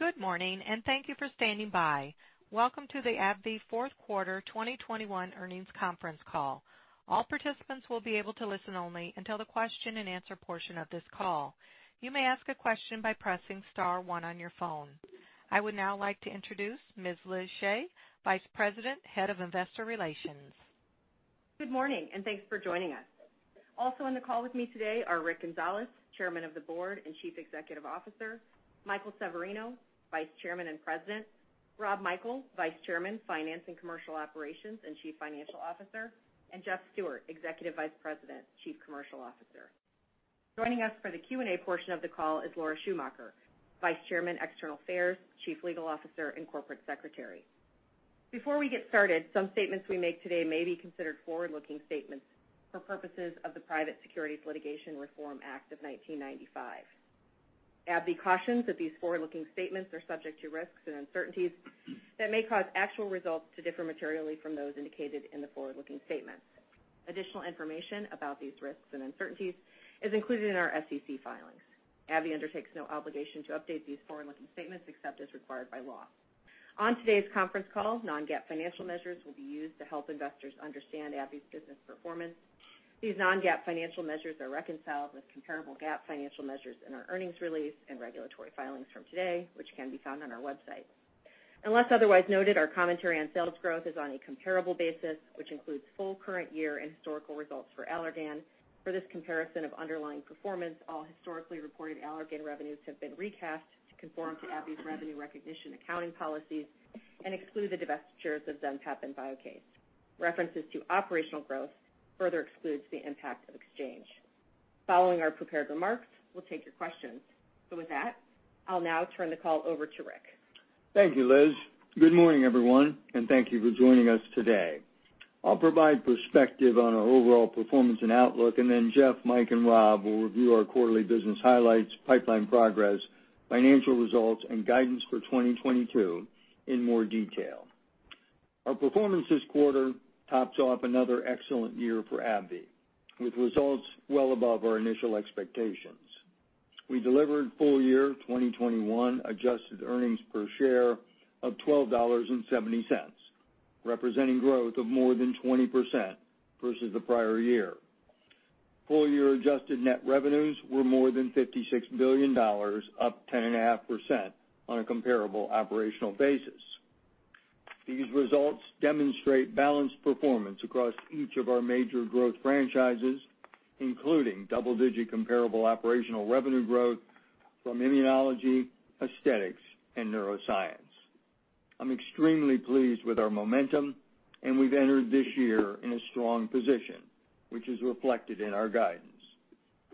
Good morning, and thank you for standing by. Welcome to the AbbVie Fourth Quarter 2021 Earnings Conference Call. All participants will be able to listen only until the question-and-answer portion of this call. You may ask a question by pressing star one on your phone. I would now like to introduce Ms. Liz Shea, Vice President, Head of Investor Relations. Good morning, and thanks for joining us. Also on the call with me today are Rick Gonzalez, Chairman of the Board and Chief Executive Officer, Michael Severino, Vice Chairman and President, Rob Michael, Vice Chairman, Finance and Commercial Operations and Chief Financial Officer, and Jeff Stewart, Executive Vice President, Chief Commercial Officer. Joining us for the Q&A portion of the call is Laura Schumacher, Vice Chairman, External Affairs, Chief Legal Officer, and Corporate Secretary. Before we get started, some statements we make today may be considered forward-looking statements for purposes of the Private Securities Litigation Reform Act of 1995. AbbVie cautions that these forward-looking statements are subject to risks and uncertainties that may cause actual results to differ materially from those indicated in the forward-looking statements. Additional information about these risks and uncertainties is included in our SEC filings. AbbVie undertakes no obligation to update these forward-looking statements except as required by law. On today's conference call, non-GAAP financial measures will be used to help investors understand AbbVie's business performance. These non-GAAP financial measures are reconciled with comparable GAAP financial measures in our earnings release and regulatory filings from today, which can be found on our website. Unless otherwise noted, our commentary on sales growth is on a comparable basis, which includes full current year and historical results for Allergan. For this comparison of underlying performance, all historically reported Allergan revenues have been recast to conform to AbbVie's revenue recognition accounting policies and exclude the divestitures of Zenpep and Viokace. References to operational growth further excludes the impact of exchange. Following our prepared remarks, we'll take your questions. With that, I'll now turn the call over to Rick. Thank you, Liz. Good morning, everyone, and thank you for joining us today. I'll provide perspective on our overall performance and outlook, and then Jeff, Mike, and Rob will review our quarterly business highlights, pipeline progress, financial results, and guidance for 2022 in more detail. Our performance this quarter tops off another excellent year for AbbVie, with results well above our initial expectations. We delivered full year 2021 adjusted earnings per share of $12.70, representing growth of more than 20% versus the prior year. Full year adjusted net revenues were more than $56 billion, up 10.5% on a comparable operational basis. These results demonstrate balanced performance across each of our major growth franchises, including double-digit comparable operational revenue growth from immunology, aesthetics, and neuroscience. I'm extremely pleased with our momentum, and we've entered this year in a strong position, which is reflected in our guidance.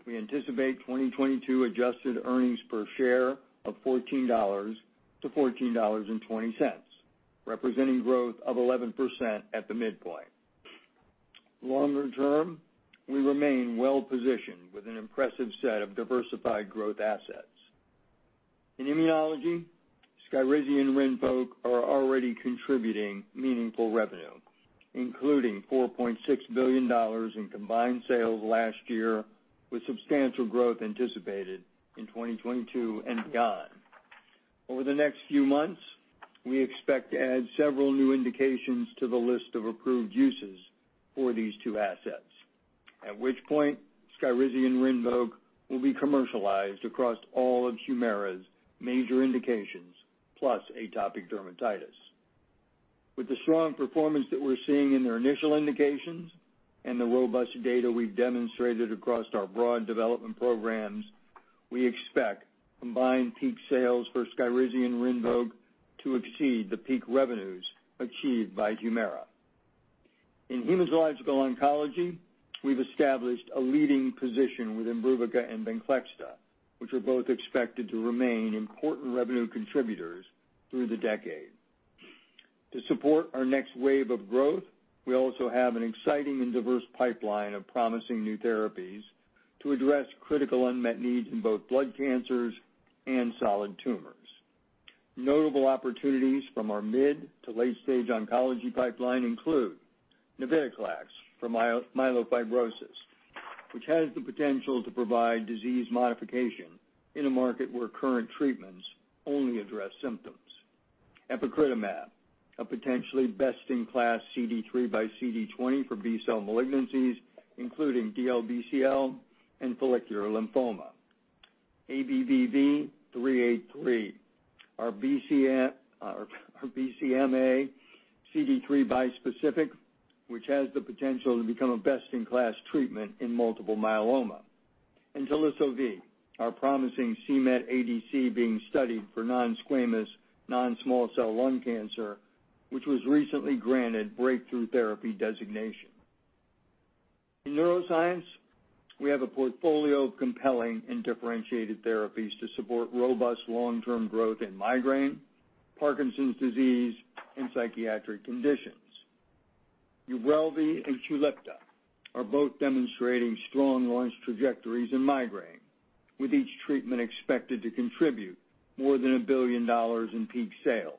We anticipate 2022 adjusted earnings per share of $14-$14.20, representing growth of 11% at the midpoint. Longer term, we remain well-positioned with an impressive set of diversified growth assets. In immunology, Skyrizi and Rinvoq are already contributing meaningful revenue, including $4.6 billion in combined sales last year, with substantial growth anticipated in 2022 and beyond. Over the next few months, we expect to add several new indications to the list of approved uses for these two assets, at which point Skyrizi and Rinvoq will be commercialized across all of Humira's major indications, plus atopic dermatitis. With the strong performance that we're seeing in their initial indications and the robust data we've demonstrated across our broad development programs, we expect combined peak sales for Skyrizi and Rinvoq to exceed the peak revenues achieved by Humira. In hematology/oncology, we've established a leading position with Imbruvica and Venclexta, which are both expected to remain important revenue contributors through the decade. To support our next wave of growth, we also have an exciting and diverse pipeline of promising new therapies to address critical unmet needs in both blood cancers and solid tumors. Notable opportunities from our mid- to late-stage oncology pipeline include navitoclax for myelofibrosis, which has the potential to provide disease modification in a market where current treatments only address symptoms. Epcoritamab, a potentially best-in-class CD3 x CD20 for B-cell malignancies, including DLBCL and follicular lymphoma. ABBV-383, our BCMA CD3 bispecific, which has the potential to become a best-in-class treatment in multiple myeloma. Teliso-V, our promising c-Met ADC being studied for non-squamous, non-small-cell lung cancer, which was recently granted breakthrough therapy designation. In neuroscience, we have a portfolio of compelling and differentiated therapies to support robust long-term growth in migraine, Parkinson's disease, and psychiatric conditions. Ubrelvy and Qulipta are both demonstrating strong launch trajectories in migraine, with each treatment expected to contribute more than $1 billion in peak sales.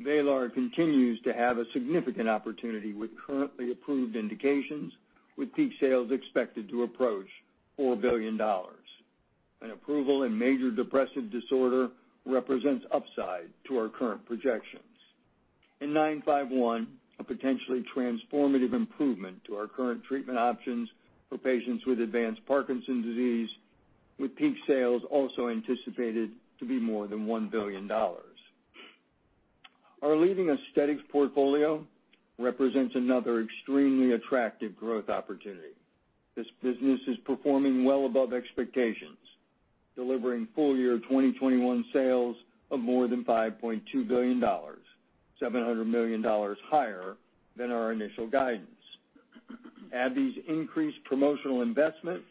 Vraylar continues to have a significant opportunity with currently approved indications, with peak sales expected to approach $4 billion. An approval in major depressive disorder represents upside to our current projections. ABBV-951, a potentially transformative improvement to our current treatment options for patients with advanced Parkinson's disease, with peak sales also anticipated to be more than $1 billion. Our leading aesthetics portfolio represents another extremely attractive growth opportunity. This business is performing well above expectations, delivering full year 2021 sales of more than $5.2 billion, $700 million higher than our initial guidance. AbbVie's increased promotional investments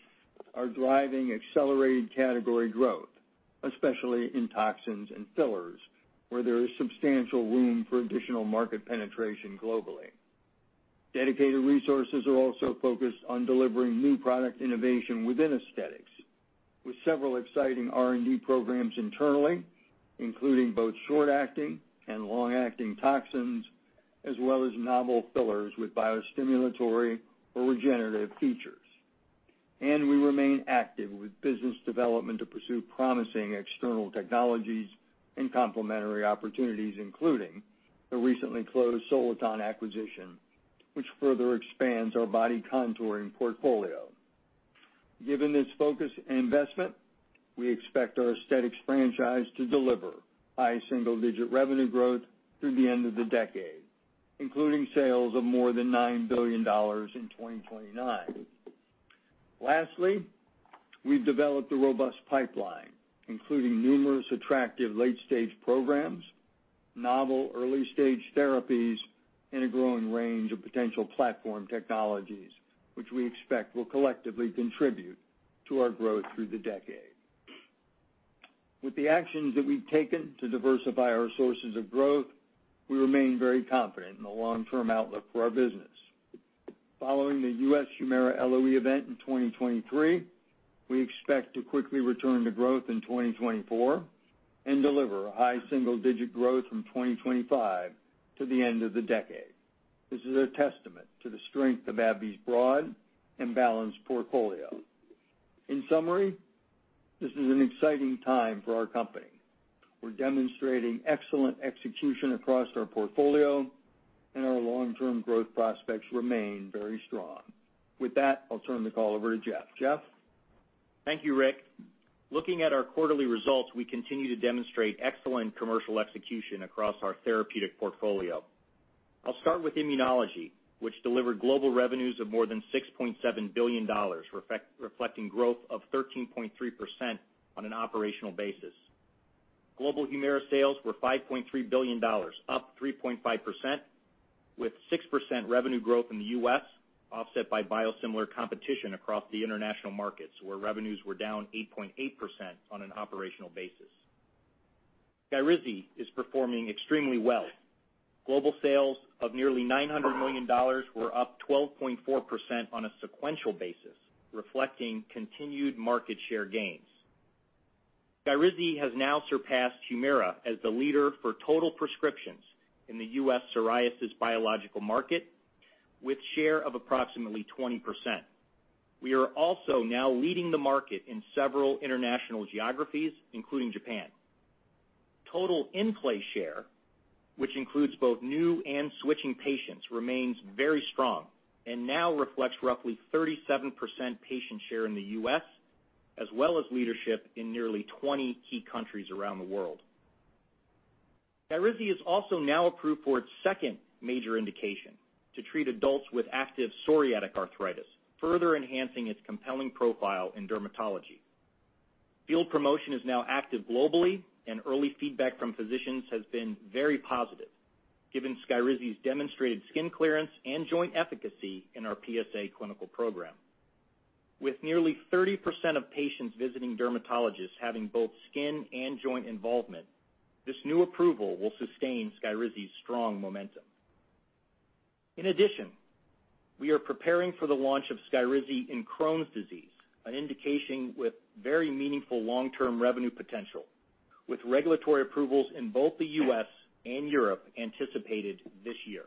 are driving accelerated category growth, especially in toxins and fillers, where there is substantial room for additional market penetration globally. Dedicated resources are also focused on delivering new product innovation within aesthetics, with several exciting R&D programs internally, including both short-acting and long-acting toxins, as well as novel fillers with biostimulatory or regenerative features. We remain active with business development to pursue promising external technologies and complementary opportunities, including the recently closed Soliton acquisition, which further expands our body contouring portfolio. Given this focus and investment, we expect our aesthetics franchise to deliver high single-digit revenue growth through the end of the decade, including sales of more than $9 billion in 2029. Lastly, we've developed a robust pipeline, including numerous attractive late-stage programs, novel early-stage therapies, and a growing range of potential platform technologies, which we expect will collectively contribute to our growth through the decade. With the actions that we've taken to diversify our sources of growth, we remain very confident in the long-term outlook for our business. Following the U.S. Humira LOE event in 2023, we expect to quickly return to growth in 2024 and deliver high single-digit growth from 2025 to the end of the decade. This is a testament to the strength of AbbVie's broad and balanced portfolio. In summary, this is an exciting time for our company. We're demonstrating excellent execution across our portfolio, and our long-term growth prospects remain very strong. With that, I'll turn the call over to Jeff. Jeff? Thank you, Rick. Looking at our quarterly results, we continue to demonstrate excellent commercial execution across our therapeutic portfolio. I'll start with immunology, which delivered global revenues of more than $6.7 billion, reflecting growth of 13.3% on an operational basis. Global Humira sales were $5.3 billion, up 3.5%, with 6% revenue growth in the U.S., offset by biosimilar competition across the international markets, where revenues were down 8.8% on an operational basis. Skyrizi is performing extremely well. Global sales of nearly $900 million were up 12.4% on a sequential basis, reflecting continued market share gains. Skyrizi has now surpassed Humira as the leader for total prescriptions in the U.S. psoriasis biological market, with share of approximately 20%. We are also now leading the market in several international geographies, including Japan. Total in-play share, which includes both new and switching patients, remains very strong and now reflects roughly 37% patient share in the U.S., as well as leadership in nearly 20 key countries around the world. Skyrizi is also now approved for its second major indication to treat adults with active psoriatic arthritis, further enhancing its compelling profile in dermatology. Field promotion is now active globally, and early feedback from physicians has been very positive, given Skyrizi's demonstrated skin clearance and joint efficacy in our PSA clinical program. With nearly 30% of patients visiting dermatologists having both skin and joint involvement, this new approval will sustain Skyrizi's strong momentum. In addition, we are preparing for the launch of Skyrizi in Crohn's disease, an indication with very meaningful long-term revenue potential, with regulatory approvals in both the U.S. and Europe anticipated this year.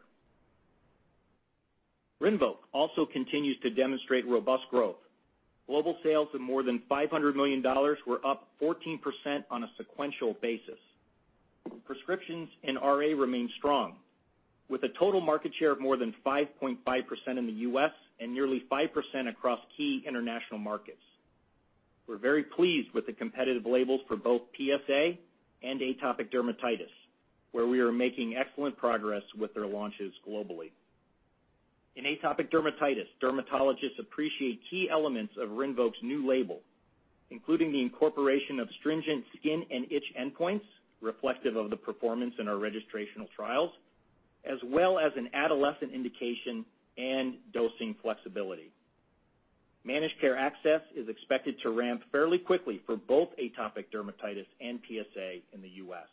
Rinvoq also continues to demonstrate robust growth. Global sales of more than $500 million were up 14% on a sequential basis. Prescriptions in RA remain strong, with a total market share of more than 5.5% in the U.S. and nearly 5% across key international markets. We're very pleased with the competitive labels for both PSA and atopic dermatitis, where we are making excellent progress with their launches globally. In atopic dermatitis, dermatologists appreciate key elements of Rinvoq's new label, including the incorporation of stringent skin and itch endpoints reflective of the performance in our registrational trials, as well as an adolescent indication and dosing flexibility. Managed care access is expected to ramp fairly quickly for both atopic dermatitis and PsA in the U.S.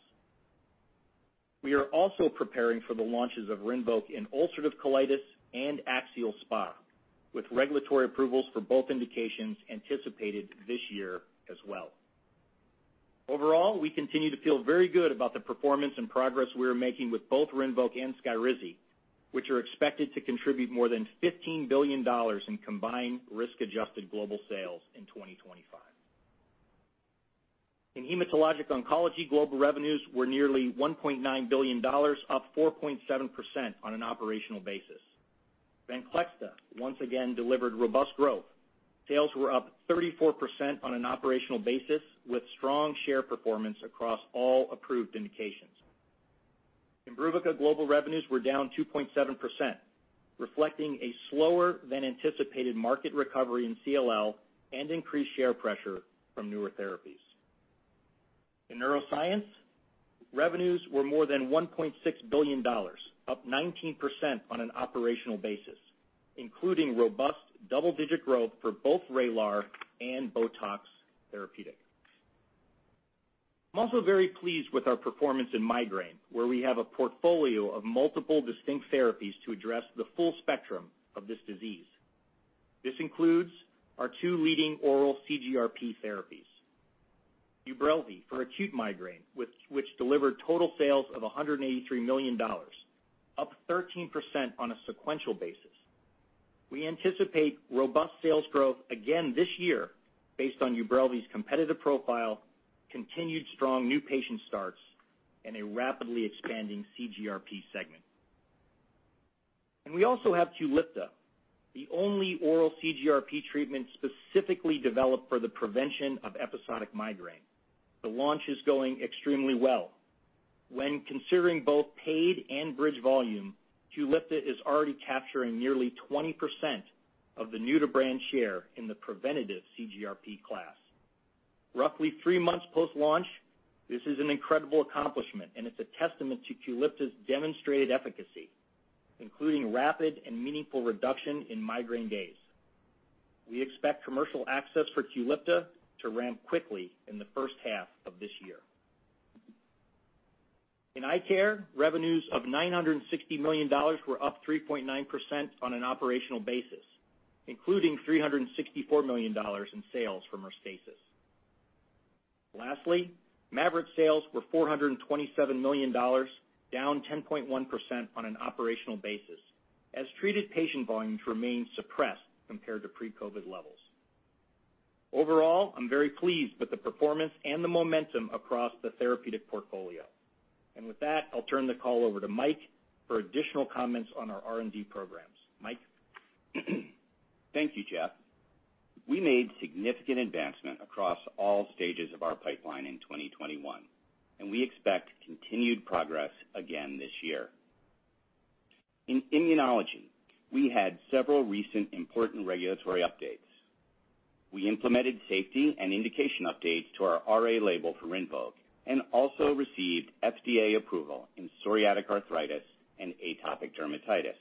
We are also preparing for the launches of Rinvoq in ulcerative colitis and axial SpA, with regulatory approvals for both indications anticipated this year as well. Overall, we continue to feel very good about the performance and progress we are making with both Rinvoq and Skyrizi, which are expected to contribute more than $15 billion in combined risk-adjusted global sales in 2025. In hematologic oncology, global revenues were nearly $1.9 billion, up 4.7% on an operational basis. Venclexta once again delivered robust growth. Sales were up 34% on an operational basis, with strong share performance across all approved indications. Imbruvica global revenues were down 2.7%, reflecting a slower than anticipated market recovery in CLL and increased share pressure from newer therapies. In neuroscience, revenues were more than $1.6 billion, up 19% on an operational basis, including robust double-digit growth for both Vraylar and Botox therapeutic. I'm also very pleased with our performance in migraine, where we have a portfolio of multiple distinct therapies to address the full spectrum of this disease. This includes our two leading oral CGRP therapies, Ubrelvy for acute migraine, which delivered total sales of $183 million, up 13% on a sequential basis. We anticipate robust sales growth again this year based on Ubrelvy's competitive profile, continued strong new patient starts, and a rapidly expanding CGRP segment. We also have Qulipta, the only oral CGRP treatment specifically developed for the prevention of episodic migraine. The launch is going extremely well. When considering both paid and bridge volume, Qulipta is already capturing nearly 20% of the new-to-brand share in the preventative CGRP class. Roughly three months post-launch, this is an incredible accomplishment, and it's a testament to Qulipta's demonstrated efficacy, including rapid and meaningful reduction in migraine days. We expect commercial access for Qulipta to ramp quickly in the first half of this year. In eye care, revenues of $960 million were up 3.9% on an operational basis, including $364 million in sales from Restasis. Lastly, Mavyret sales were $427 million, down 10.1% on an operational basis, as treated patient volumes remained suppressed compared to pre-COVID levels. Overall, I'm very pleased with the performance and the momentum across the therapeutic portfolio. With that, I'll turn the call over to Mike for additional comments on our R&D programs. Mike? Thank you, Jeff. We made significant advancement across all stages of our pipeline in 2021, and we expect continued progress again this year. In immunology, we had several recent important regulatory updates. We implemented safety and indication updates to our RA label for RINVOQ and also received FDA approval in psoriatic arthritis and atopic dermatitis,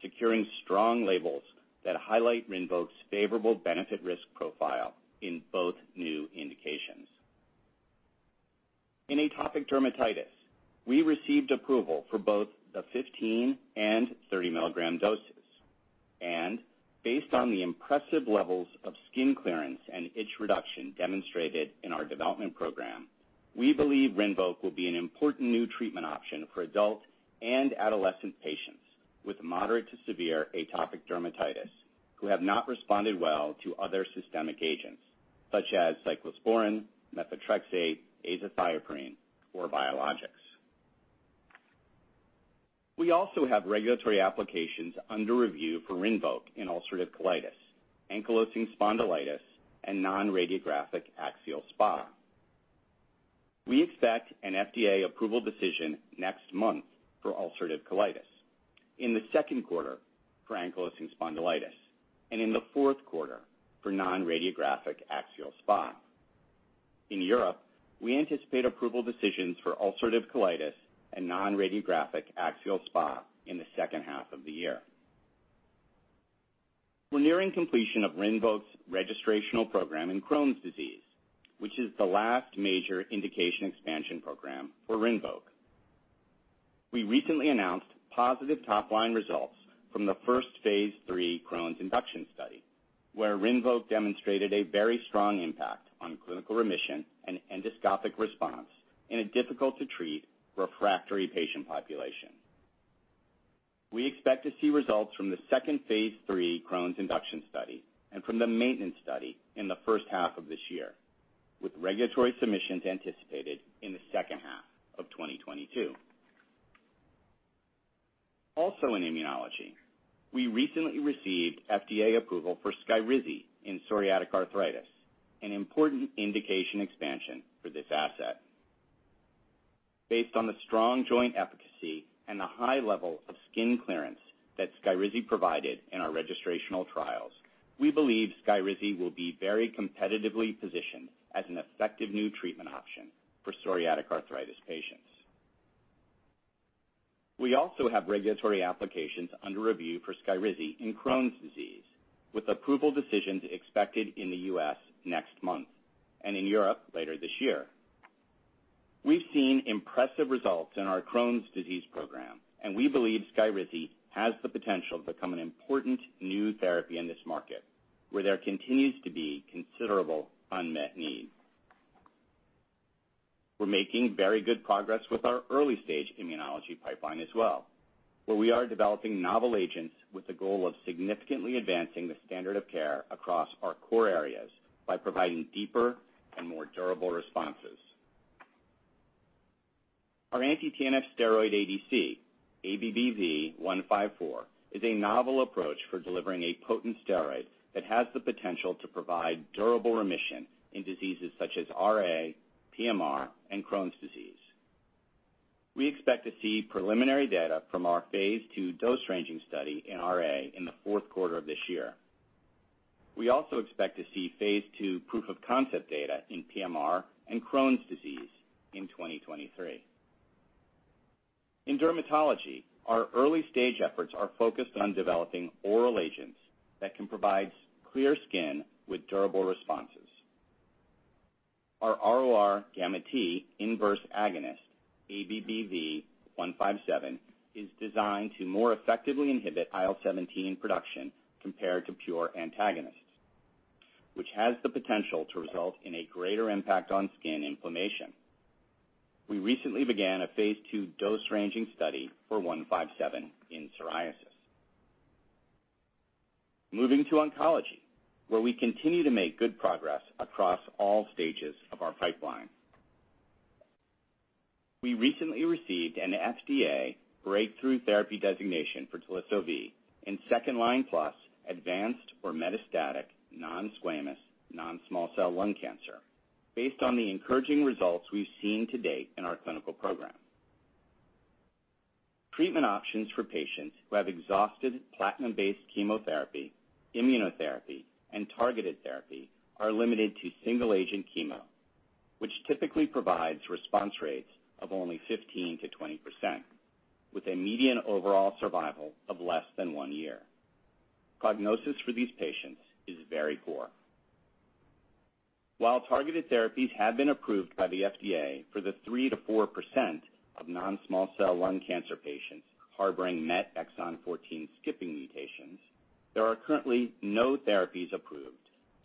securing strong labels that highlight RINVOQ's favorable benefit risk profile in both new indications. In atopic dermatitis, we received approval for both the 15- and 30-mg doses. Based on the impressive levels of skin clearance and itch reduction demonstrated in our development program, we believe RINVOQ will be an important new treatment option for adult and adolescent patients with moderate to severe atopic dermatitis who have not responded well to other systemic agents such as cyclosporine, methotrexate, azathioprine, or biologics. We also have regulatory applications under review for RINVOQ in ulcerative colitis, ankylosing spondylitis, and non-radiographic axial SpA. We expect an FDA approval decision next month for ulcerative colitis, in the second quarter for ankylosing spondylitis, and in the fourth quarter for non-radiographic axial SpA. In Europe, we anticipate approval decisions for ulcerative colitis and non-radiographic axial SpA in the second half of the year. We're nearing completion of RINVOQ's registrational program in Crohn's disease, which is the last major indication expansion program for RINVOQ. We recently announced positive top-line results from the first phase III Crohn's induction study, where RINVOQ demonstrated a very strong impact on clinical remission and endoscopic response in a difficult-to-treat refractory patient population. We expect to see results from the second phase III Crohn's induction study and from the maintenance study in the first half of this year, with regulatory submissions anticipated in the second half of 2022. Also in immunology, we recently received FDA approval for Skyrizi in psoriatic arthritis, an important indication expansion for this asset. Based on the strong joint efficacy and the high level of skin clearance that Skyrizi provided in our registrational trials, we believe Skyrizi will be very competitively positioned as an effective new treatment option for psoriatic arthritis patients. We also have regulatory applications under review for Skyrizi in Crohn's disease, with approval decisions expected in the U.S. Next month and in Europe later this year. We've seen impressive results in our Crohn's disease program, and we believe Skyrizi has the potential to become an important new therapy in this market, where there continues to be considerable unmet need. We're making very good progress with our early-stage immunology pipeline as well, where we are developing novel agents with the goal of significantly advancing the standard of care across our core areas by providing deeper and more durable responses. Our anti-TNF steroid ADC, ABBV-154, is a novel approach for delivering a potent steroid that has the potential to provide durable remission in diseases such as RA, PMR, and Crohn's disease. We expect to see preliminary data from our phase II dose-ranging study in RA in the fourth quarter of this year. We also expect to see phase II proof-of-concept data in PMR and Crohn's disease in 2023. In dermatology, our early stage efforts are focused on developing oral agents that can provide clear skin with durable responses. Our ROR gamma T inverse agonist, ABBV-157, is designed to more effectively inhibit IL-17 production compared to pure antagonists, which has the potential to result in a greater impact on skin inflammation. We recently began a phase II dose-ranging study for 157 in psoriasis. Moving to oncology, where we continue to make good progress across all stages of our pipeline. We recently received an FDA breakthrough therapy designation for Teliso-V in second-line-plus advanced or metastatic non-squamous, non-small-cell lung cancer based on the encouraging results we've seen to date in our clinical program. Treatment options for patients who have exhausted platinum-based chemotherapy, immunotherapy, and targeted therapy are limited to single-agent chemo, which typically provides response rates of only 15%-20% with a median overall survival of less than one year. Prognosis for these patients is very poor. While targeted therapies have been approved by the FDA for the 3%-4% of non-small cell lung cancer patients harboring MET exon 14 skipping mutations, there are currently no therapies approved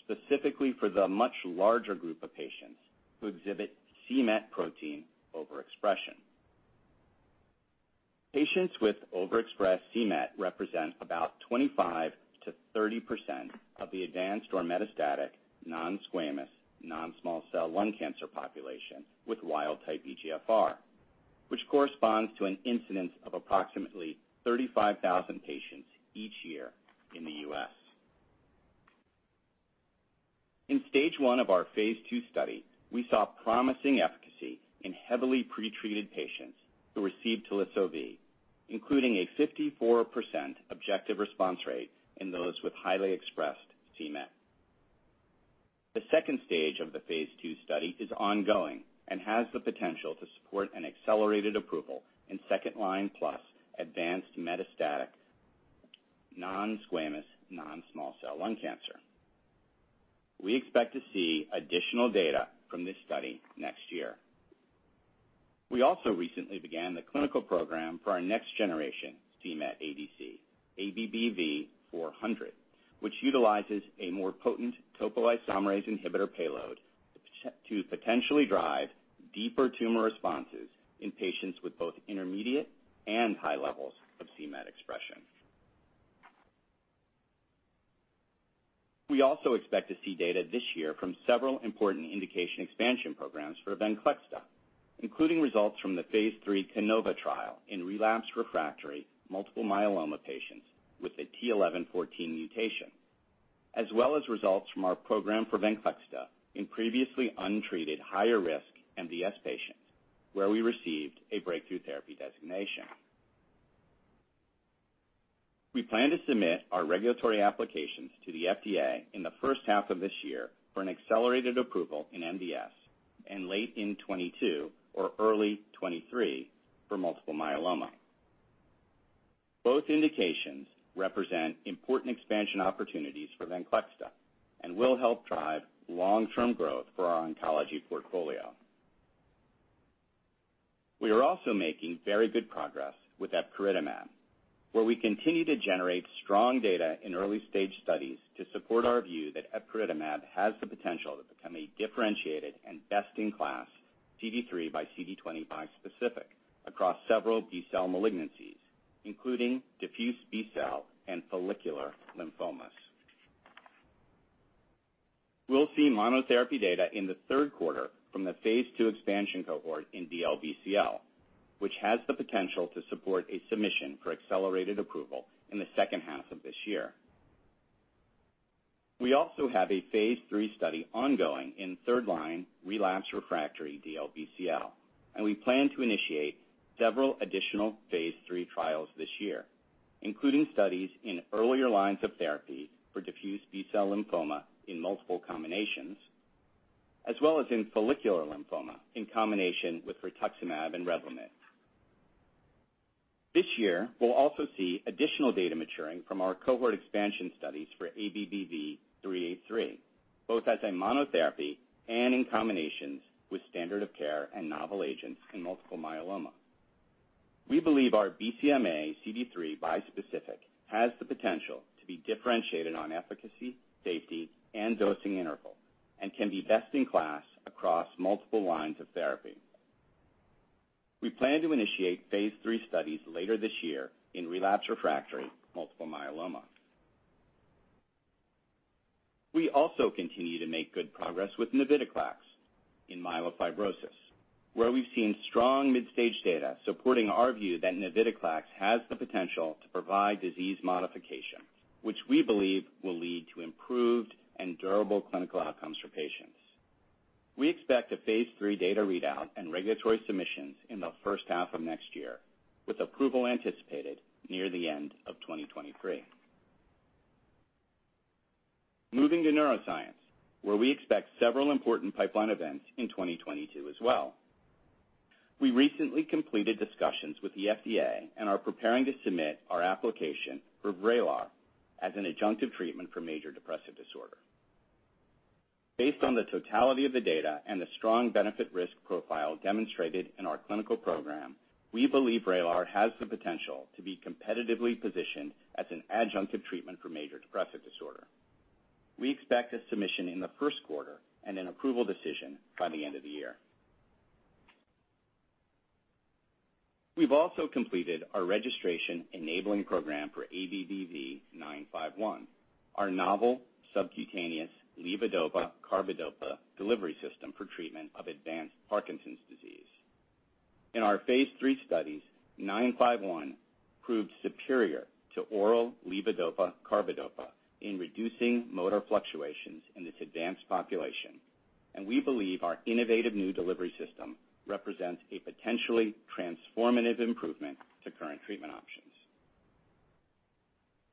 specifically for the much larger group of patients who exhibit c-Met protein overexpression. Patients with overexpressed c-Met represent about 25%-30% of the advanced or metastatic non-squamous, non-small cell lung cancer population with wild-type EGFR, which corresponds to an incidence of approximately 35,000 patients each year in the U.S. In stage one of our phase II study, we saw promising efficacy in heavily pretreated patients who received Teliso-V, including a 54% objective response rate in those with highly expressed c-Met. The second stage of the phase II study is ongoing and has the potential to support an accelerated approval in second-line-plus advanced metastatic non-small-cell lung cancer. We expect to see additional data from this study next year. We also recently began the clinical program for our next-generation c-Met ADC, ABBV-400, which utilizes a more potent topoisomerase inhibitor payload to potentially drive deeper tumor responses in patients with both intermediate and high levels of c-Met expression. We expect to see data this year from several important indication expansion programs for Venclexta, including results from the phase III CANOVA trial in relapsed refractory multiple myeloma patients with a t(11;14) mutation, as well as results from our program for Venclexta in previously untreated higher-risk MDS patients, where we received a breakthrough therapy designation. We plan to submit our regulatory applications to the FDA in the first half of this year for an accelerated approval in MDS and late in 2022 or early 2023 for multiple myeloma. Both indications represent important expansion opportunities for Venclexta and will help drive long-term growth for our oncology portfolio. We are also making very good progress with epcoritamab, where we continue to generate strong data in early-stage studies to support our view that epcoritamab has the potential to become a differentiated and best-in-class CD3 and CD20 bispecific across several B-cell malignancies, including diffuse large B-cell and follicular lymphomas. We'll see monotherapy data in the third quarter from the phase II expansion cohort in DLBCL, which has the potential to support a submission for accelerated approval in the H2 of this year. We also have a phase III study ongoing in third line relapsed refractory DLBCL, and we plan to initiate several additional phase III trials this year, including studies in earlier lines of therapy for diffuse B-cell lymphoma in multiple combinations, as well as in follicular lymphoma in combination with rituximab and Revlimid. This year, we'll also see additional data maturing from our cohort expansion studies for ABBV-383, both as a monotherapy and in combinations with standard of care and novel agents in multiple myeloma. We believe our BCMA CD3 bispecific has the potential to be differentiated on efficacy, safety, and dosing interval, and can be best in class across multiple lines of therapy. We plan to initiate phase III studies later this year in relapsed refractory multiple myeloma. We also continue to make good progress with navitoclax in myelofibrosis, where we've seen strong mid-stage data supporting our view that navitoclax has the potential to provide disease modification, which we believe will lead to improved and durable clinical outcomes for patients. We expect a phase III data readout and regulatory submissions in the first half of next year, with approval anticipated near the end of 2023. Moving to neuroscience, where we expect several important pipeline events in 2022 as well. We recently completed discussions with the FDA and are preparing to submit our application for Vraylar as an adjunctive treatment for major depressive disorder. Based on the totality of the data and the strong benefit risk profile demonstrated in our clinical program, we believe Vraylar has the potential to be competitively positioned as an adjunctive treatment for major depressive disorder. We expect a submission in the first quarter and an approval decision by the end of the year. We've also completed our registration enabling program for ABBV-951, our novel subcutaneous levodopa/carbidopa delivery system for treatment of advanced Parkinson's disease. In our phase III studies, 951 proved superior to oral levodopa/carbidopa in reducing motor fluctuations in this advanced population, and we believe our innovative new delivery system represents a potentially transformative improvement to current treatment options.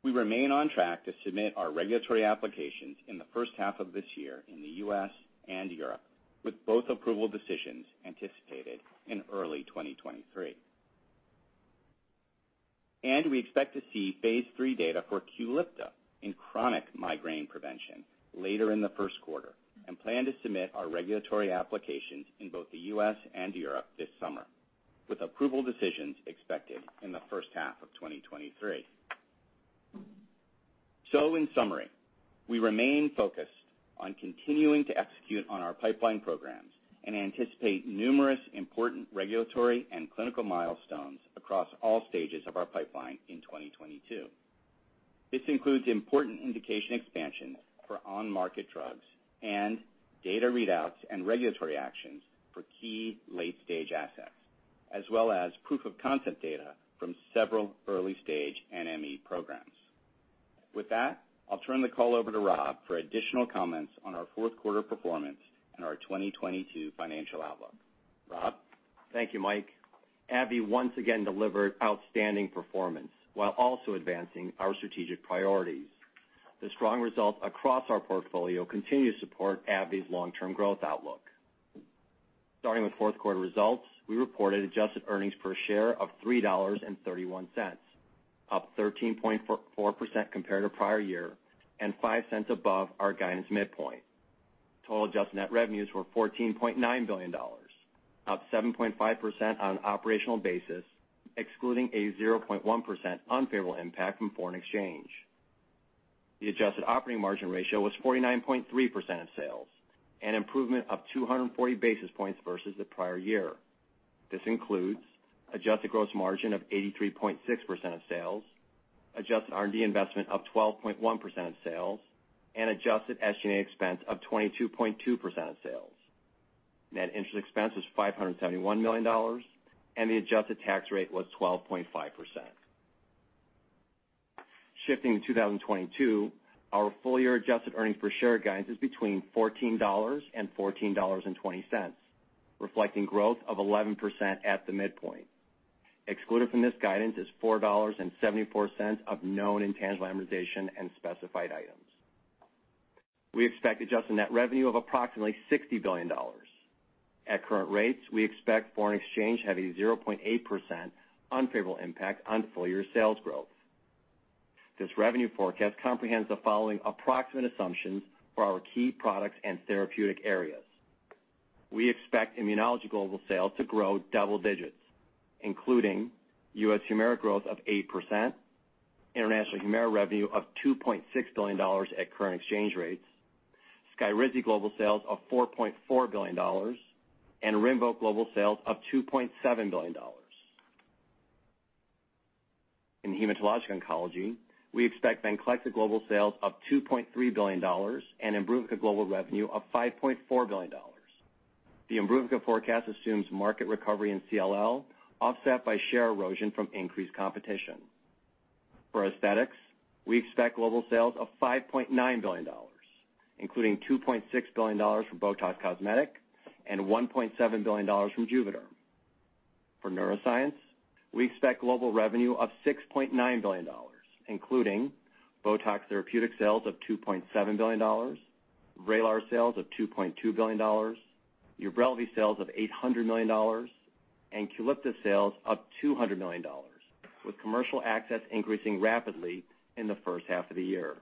We remain on track to submit our regulatory applications in the first half of this year in the U.S. and Europe, with both approval decisions anticipated in early 2023. We expect to see phase III data for Qulipta in chronic migraine prevention later in the first quarter, and plan to submit our regulatory applications in both the U.S. and Europe this summer, with approval decisions expected in the first half of 2023. In summary, we remain focused on continuing to execute on our pipeline programs and anticipate numerous important regulatory and clinical milestones across all stages of our pipeline in 2022. This includes important indication expansions for on-market drugs and data readouts and regulatory actions for key late-stage assets, as well as proof-of-concept data from several early-stage NME programs. With that, I'll turn the call over to Rob for additional comments on our fourth quarter performance and our 2022 financial outlook. Rob? Thank you, Mike. AbbVie once again delivered outstanding performance while also advancing our strategic priorities. The strong results across our portfolio continue to support AbbVie's long-term growth outlook. Starting with fourth quarter results, we reported adjusted earnings per share of $3.31, up 13.4% compared to prior year and 5 cents above our guidance midpoint. Total adjusted net revenues were $14.9 billion, up 7.5% on operational basis, excluding a 0.1% unfavorable impact from foreign exchange. The adjusted operating margin ratio was 49.3% of sales, an improvement of 240 basis points versus the prior year. This includes adjusted gross margin of 83.6% of sales, adjusted R&D investment of 12.1% of sales, and adjusted SG&A expense of 22.2% of sales. Net interest expense was $571 million, and the adjusted tax rate was 12.5%. Shifting to 2022, our full year adjusted earnings per share guidance is between $14 and $14.20, reflecting growth of 11% at the midpoint. Excluded from this guidance is $4.74 of known intangible amortization and specified items. We expect adjusted net revenue of approximately $60 billion. At current rates, we expect foreign exchange to have a 0.8% unfavorable impact on full year sales growth. This revenue forecast comprehends the following approximate assumptions for our key products and therapeutic areas. We expect Immunology global sales to grow double digits, including US Humira growth of 8%, International Humira revenue of $2.6 billion at current exchange rates, Skyrizi global sales of $4.4 billion, and Rinvoq global sales of $2.7 billion. In Hematologic Oncology, we expect Venclexta global sales of $2.3 billion and Imbruvica global revenue of $5.4 billion. The Imbruvica forecast assumes market recovery in CLL offset by share erosion from increased competition. For Aesthetics, we expect global sales of $5.9 billion, including $2.6 billion from BOTOX Cosmetic and $1.7 billion from JUVÉDERM. For Neuroscience, we expect global revenue of $6.9 billion, including BOTOX therapeutic sales of $2.7 billion, Vraylar sales of $2.2 billion, Ubrelvy sales of $800 million and Qulipta sales of $200 million, with commercial access increasing rapidly in the H1 of the year.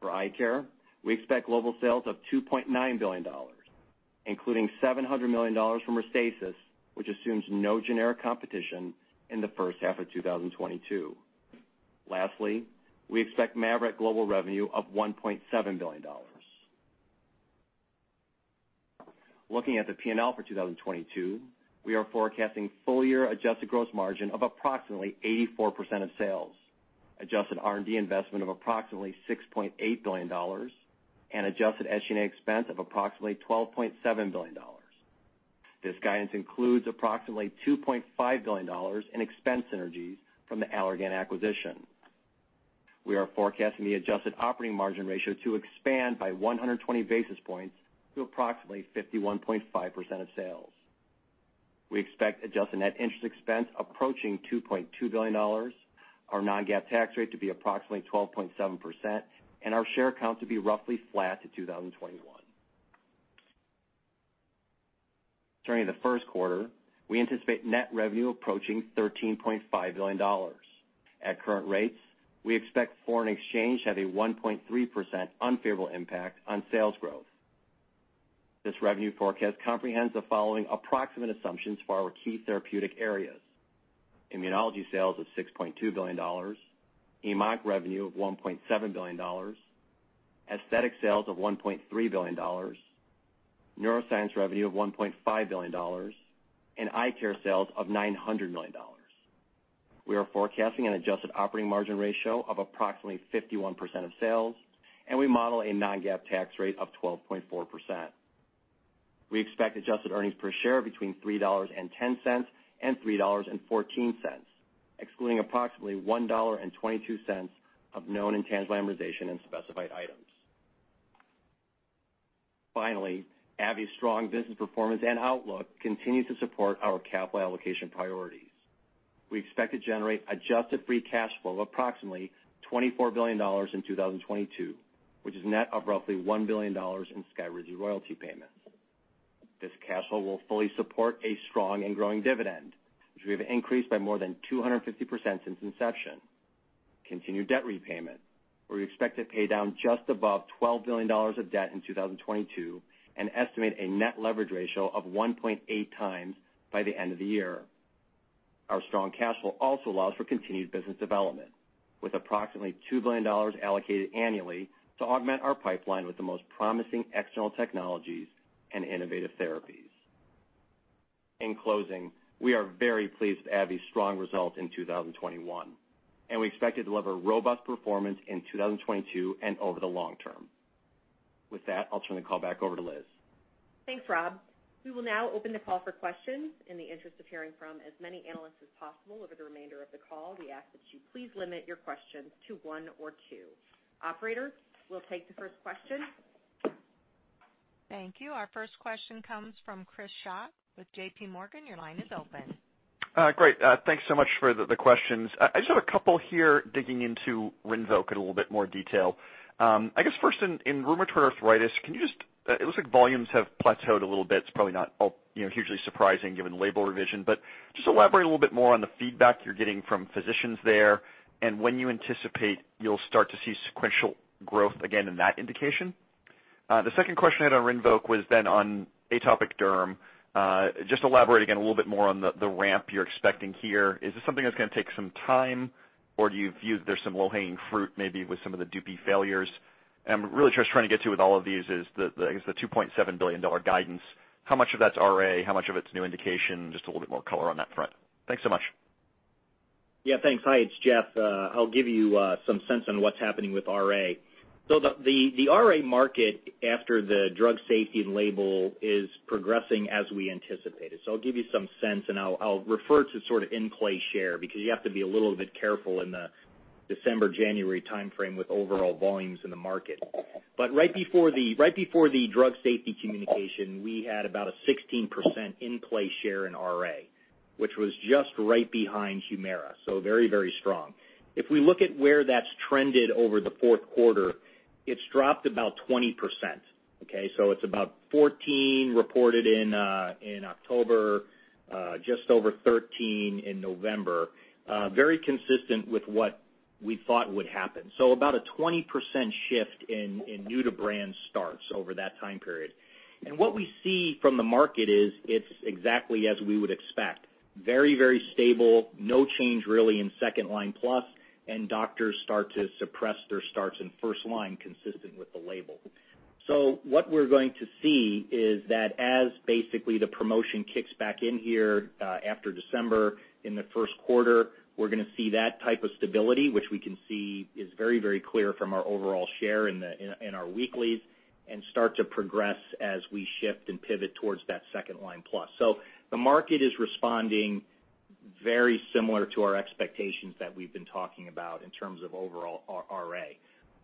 For eye care, we expect global sales of $2.9 billion, including $700 million from Restasis, which assumes no generic competition in the first half of 2022. Lastly, we expect Mavyret global revenue of $1.7 billion. Looking at the P&L for 2022, we are forecasting full year adjusted gross margin of approximately 84% of sales, adjusted R&D investment of approximately $6.8 billion and adjusted SG&A expense of approximately $12.7 billion. This guidance includes approximately $2.5 billion in expense synergies from the Allergan acquisition. We are forecasting the adjusted operating margin ratio to expand by 120 basis points to approximately 51.5% of sales. We expect adjusted net interest expense approaching $2.2 billion, our non-GAAP tax rate to be approximately 12.7%, and our share count to be roughly flat to 2021. Turning to the Q1, we anticipate net revenue approaching $13.5 billion. At current rates, we expect foreign exchange to have a 1.3% unfavorable impact on sales growth. This revenue forecast comprehends the following approximate assumptions for our key therapeutic areas. Immunology sales of $6.2 billion, HemOnc revenue of $1.7 billion, aesthetic sales of $1.3 billion, neuroscience revenue of $1.5 billion and eye care sales of $900 million. We are forecasting an adjusted operating margin ratio of approximately 51% of sales, and we model a non-GAAP tax rate of 12.4%. We expect adjusted earnings per share between $3.10 and $3.14, excluding approximately $1.22 of known intangible amortization and specified items. Finally, AbbVie's strong business performance and outlook continues to support our capital allocation priorities. We expect to generate adjusted free cash flow approximately $24 billion in 2022, which is net of roughly $1 billion in Skyrizi royalty payments. This cash flow will fully support a strong and growing dividend, which we have increased by more than 250% since inception. Continued debt repayment, where we expect to pay down just above $12 billion of debt in 2022 and estimate a net leverage ratio of 1.8x by the end of the year. Our strong cash flow also allows for continued business development, with approximately $2 billion allocated annually to augment our pipeline with the most promising external technologies and innovative therapies. In closing, we are very pleased with AbbVie's strong results in 2021, and we expect to deliver robust performance in 2022 and over the long term. With that, I'll turn the call back over to Liz. Thanks, Rob. We will now open the call for questions. In the interest of hearing from as many analysts as possible over the remainder of the call, we ask that you please limit your questions to one or two. Operator, we'll take the first question. Thank you. Our first question comes from Chris Schott with J.P. Morgan. Your line is open. Great. Thanks so much for the questions. I just have a couple here digging into Rinvoq in a little bit more detail. I guess first in rheumatoid arthritis, it looks like volumes have plateaued a little bit. It's probably not all, you know, hugely surprising given the label revision, but just elaborate a little bit more on the feedback you're getting from physicians there and when you anticipate you'll start to see sequential growth again in that indication. The second question I had on Rinvoq was then on atopic derm. Just elaborate again a little bit more on the ramp you're expecting here. Is this something that's gonna take some time, or do you view there's some low-hanging fruit maybe with some of the Dupixent failures? Really just trying to get to with all of these is the, I guess, the $2.7 billion guidance. How much of that's RA? How much of it's new indication? Just a little bit more color on that front. Thanks so much. Yeah, thanks. Hi, it's Jeff. I'll give you some sense on what's happening with RA. The RA market after the drug safety and label is progressing as we anticipated. I'll give you some sense, and I'll refer to sort of in-play share because you have to be a little bit careful in the December-January timeframe with overall volumes in the market. Right before the drug safety communication, we had about a 16% in-play share in RA, which was just right behind Humira, so very, very strong. If we look at where that's trended over the fourth quarter, it's dropped about 20%, okay? It's about 14 reported in October, just over 13 in November, very consistent with what we thought would happen. About a 20% shift in new-to-brand starts over that time period. What we see from the market is it's exactly as we would expect, very, very stable, no change really in second-line plus, and doctors start to suppress their starts in first-line consistent with the label. What we're going to see is that as basically the promotion kicks back in here after December in the first quarter, we're gonna see that type of stability, which we can see is very, very clear from our overall share in our weeklies, and start to progress as we shift and pivot towards that second-line plus. The market is responding very similar to our expectations that we've been talking about in terms of overall RA.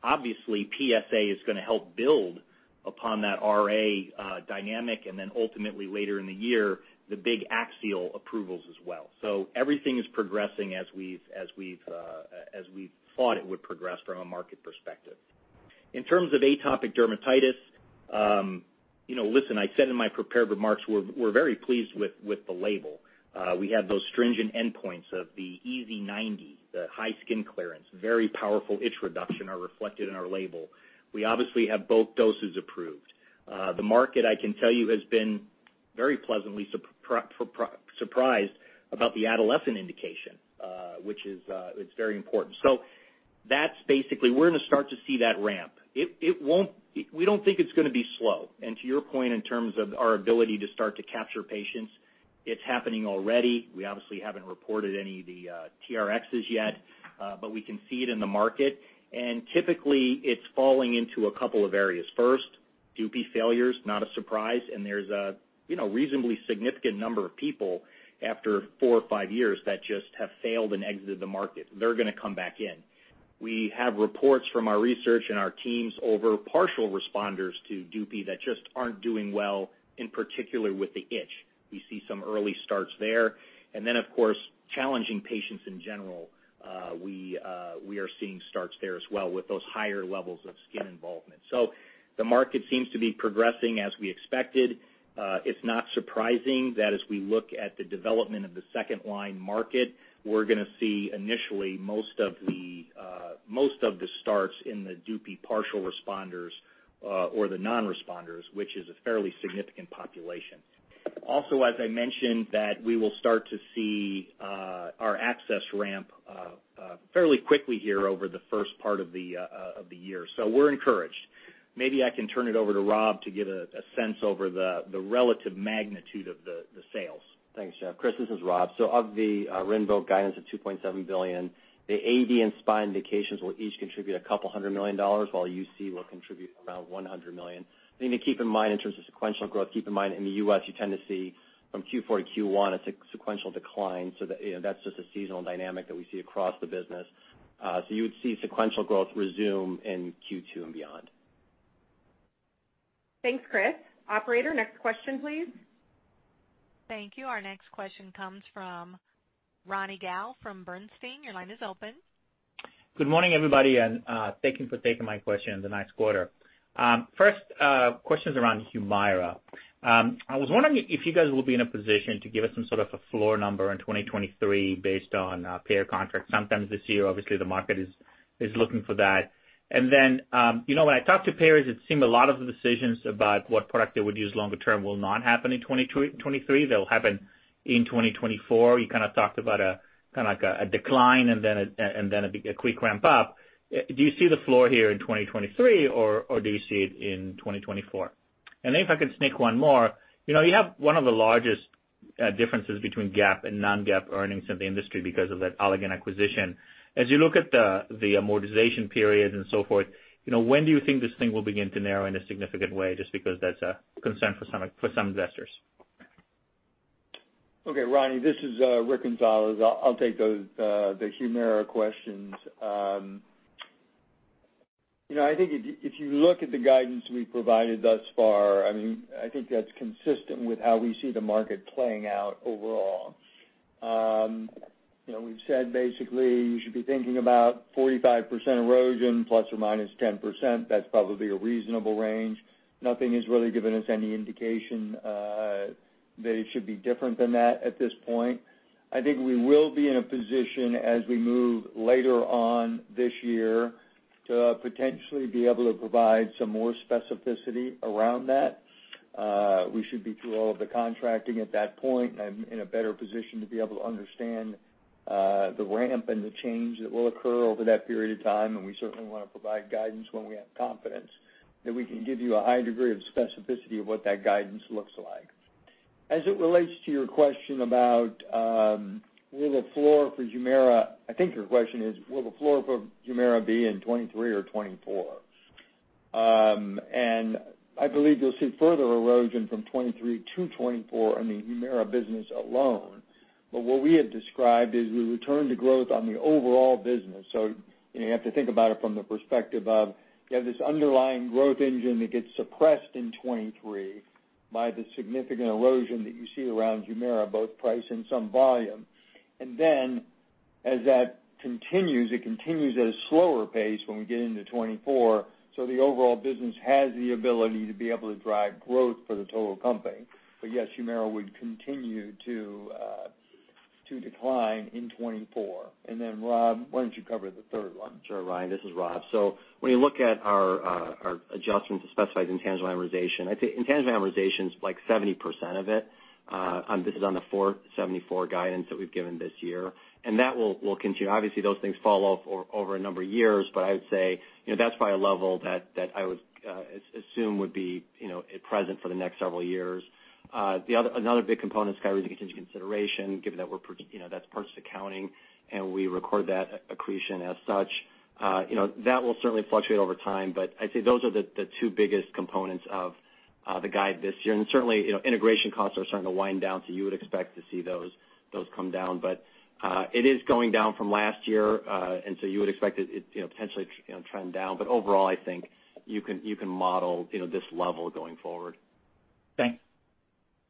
Obviously, PSA is gonna help build upon that RA dynamic and then ultimately later in the year, the big axial approvals as well. Everything is progressing as we thought it would progress from a market perspective. In terms of atopic dermatitis, you know, listen, I said in my prepared remarks, we're very pleased with the label. We have those stringent endpoints of the EASI 90, the high skin clearance, very powerful itch reduction are reflected in our label. We obviously have both doses approved. The market, I can tell you, has been very pleasantly surprised about the adolescent indication, which is, it's very important. That's basically we're gonna start to see that ramp. It won't. We don't think it's gonna be slow. To your point in terms of our ability to start to capture patients, it's happening already. We obviously haven't reported any of the TRx yet, but we can see it in the market. Typically, it's falling into a couple of areas. First, Dupixent failures, not a surprise, and there's a, you know, reasonably significant number of people after four or five years that just have failed and exited the market. They're gonna come back in. We have reports from our research and our teams over partial responders to Dupixent that just aren't doing well, in particular with the itch. We see some early starts there. Then, of course, challenging patients in general, we are seeing starts there as well with those higher levels of skin involvement. So the market seems to be progressing as we expected. It's not surprising that as we look at the development of the second line market, we're gonna see initially most of the starts in the Dupixent partial responders or the non-responders, which is a fairly significant population. As I mentioned, that we will start to see our access ramp fairly quickly here over the first part of the year. We're encouraged. Maybe I can turn it over to Rob to give a sense over the relative magnitude of the sales. Thanks, Jeff. Chris, this is Rob. Of the Rinvoq guidance of $2.7 billion, the AD and spine indications will each contribute a couple hundred million dollars, while UC will contribute around $100 million. The thing to keep in mind in terms of sequential growth in the U.S., you tend to see from Q4 to Q1, it's a sequential decline, you know, that's just a seasonal dynamic that we see across the business. You would see sequential growth resume in Q2 and beyond. Thanks, Chris. Operator, next question, please. Thank you. Our next question comes from Ronny Gal from Bernstein. Your line is open. Good morning, everybody, and thank you for taking my question in the next quarter. First, questions around Humira. I was wondering if you guys will be in a position to give us some sort of a floor number in 2023 based on payer contracts sometime this year. Obviously, the market is looking for that. You know, when I talk to payers, it seemed a lot of the decisions about what product they would use longer term will not happen in 2023, they'll happen in 2024. You kinda talked about kinda like a decline and then a quick ramp up. Do you see the floor here in 2023, or do you see it in 2024? If I could sneak one more, you know, you have one of the largest differences between GAAP and non-GAAP earnings in the industry because of that Allergan acquisition. As you look at the amortization period and so forth, you know, when do you think this thing will begin to narrow in a significant way, just because that's a concern for some investors? Okay, Ronnie, this is Rick Gonzalez. I'll take those the Humira questions. You know, I think if you look at the guidance we've provided thus far, I mean, I think that's consistent with how we see the market playing out overall. You know, we've said basically you should be thinking about 45% erosion ±10%. That's probably a reasonable range. Nothing has really given us any indication that it should be different than that at this point. I think we will be in a position as we move later on this year to potentially be able to provide some more specificity around that. We should be through all of the contracting at that point and in a better position to be able to understand the ramp and the change that will occur over that period of time. We certainly wanna provide guidance when we have confidence that we can give you a high degree of specificity of what that guidance looks like. As it relates to your question about will the floor for Humira be in 2023 or 2024? I think your question is, will the floor for Humira be in 2023 or 2024? I believe you'll see further erosion from 2023-2024 on the Humira business alone. What we have described is we return to growth on the overall business. You know, you have to think about it from the perspective of you have this underlying growth engine that gets suppressed in 2023 by the significant erosion that you see around Humira, both price and some volume. As that continues, it continues at a slower pace when we get into 2024, so the overall business has the ability to be able to drive growth for the total company. But yes, Humira would continue to decline in 2024. Rob, why don't you cover the third one? Sure, Ronnie. This is Rob. When you look at our adjustment to specified intangible amortization, I'd say intangible amortization's like 70% of it. This is on the $4.74 guidance that we've given this year, and that will continue. Obviously, those things fall off over a number of years, but I would say, you know, that's probably a level that I would assume would be, you know, present for the next several years. The other big component is Skyrizi contingency consideration, given that we're part, you know, that's purchase accounting, and we record that accretion as such. You know, that will certainly fluctuate over time, but I'd say those are the two biggest components of the guide this year. Certainly, you know, integration costs are starting to wind down, so you would expect to see those come down. But it is going down from last year, and so you would expect it you know, potentially, you know, trend down. But overall, I think you can model, you know, this level going forward. Thanks.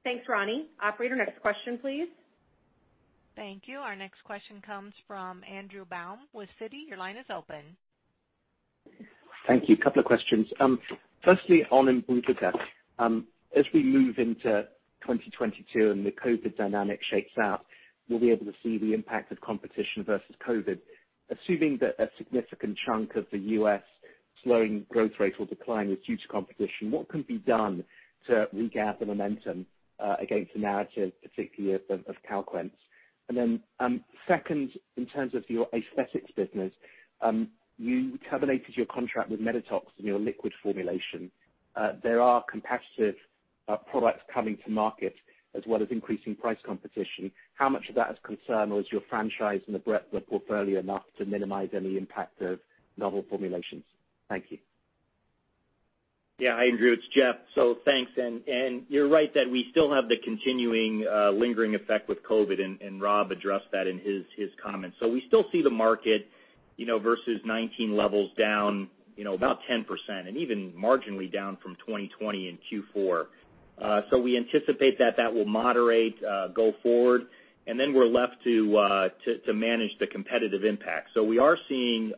Thanks, Ronnie. Operator, next question, please. Thank you. Our next question comes from Andrew Baum with Citi. Your line is open. Thank you. Couple of questions. Firstly, on Imbruvica, as we move into 2022 and the COVID dynamic shakes out, we'll be able to see the impact of competition versus COVID. Assuming that a significant chunk of the U.S. slowing growth rate will decline with huge competition, what can be done to regain the momentum against the narrative, particularly of Calquence? Second, in terms of your aesthetics business, you terminated your contract with Medytox and your liquid formulation. There are competitive products coming to market as well as increasing price competition. How much of that is concern or is your franchise and the breadth of the portfolio enough to minimize any impact of novel formulations? Thank you. Yeah, hi Andrew, it's Jeff. Thanks. You're right that we still have the continuing lingering effect with COVID, and Rob addressed that in his comments. We still see the market, you know, versus 2019 levels down, you know, about 10% and even marginally down from 2020 in Q4. We anticipate that will moderate going forward, and then we're left to manage the competitive impact. We are seeing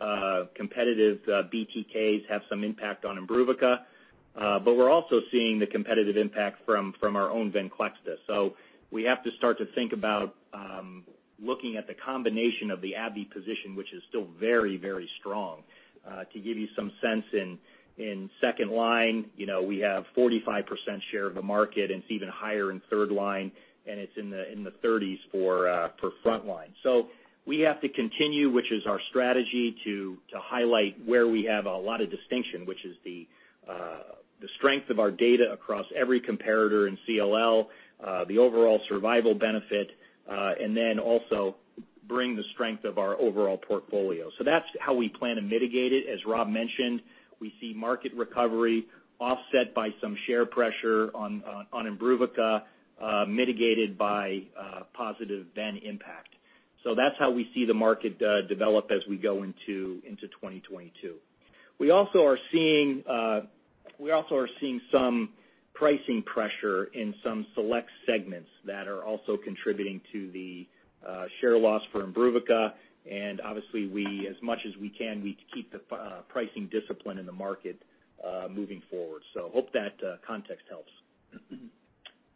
competitive BTKs have some impact on Imbruvica, but we're also seeing the competitive impact from our own Venclexta. We have to start to think about looking at the combination of the AbbVie position, which is still very, very strong. To give you some sense, in second line, you know, we have 45% share of the market, and it's even higher in third line, and it's in the 30s for front line. We have to continue, which is our strategy, to highlight where we have a lot of distinction, which is the strength of our data across every comparator in CLL, the overall survival benefit, and then also bring the strength of our overall portfolio. That's how we plan to mitigate it. As Rob mentioned, we see market recovery offset by some share pressure on Imbruvica, mitigated by positive Venclexta impact. That's how we see the market develop as we go into 2022. We are seeing some pricing pressure in some select segments that are also contributing to the share loss for Imbruvica, and obviously we, as much as we can, we keep the pricing discipline in the market moving forward. Hope that context helps.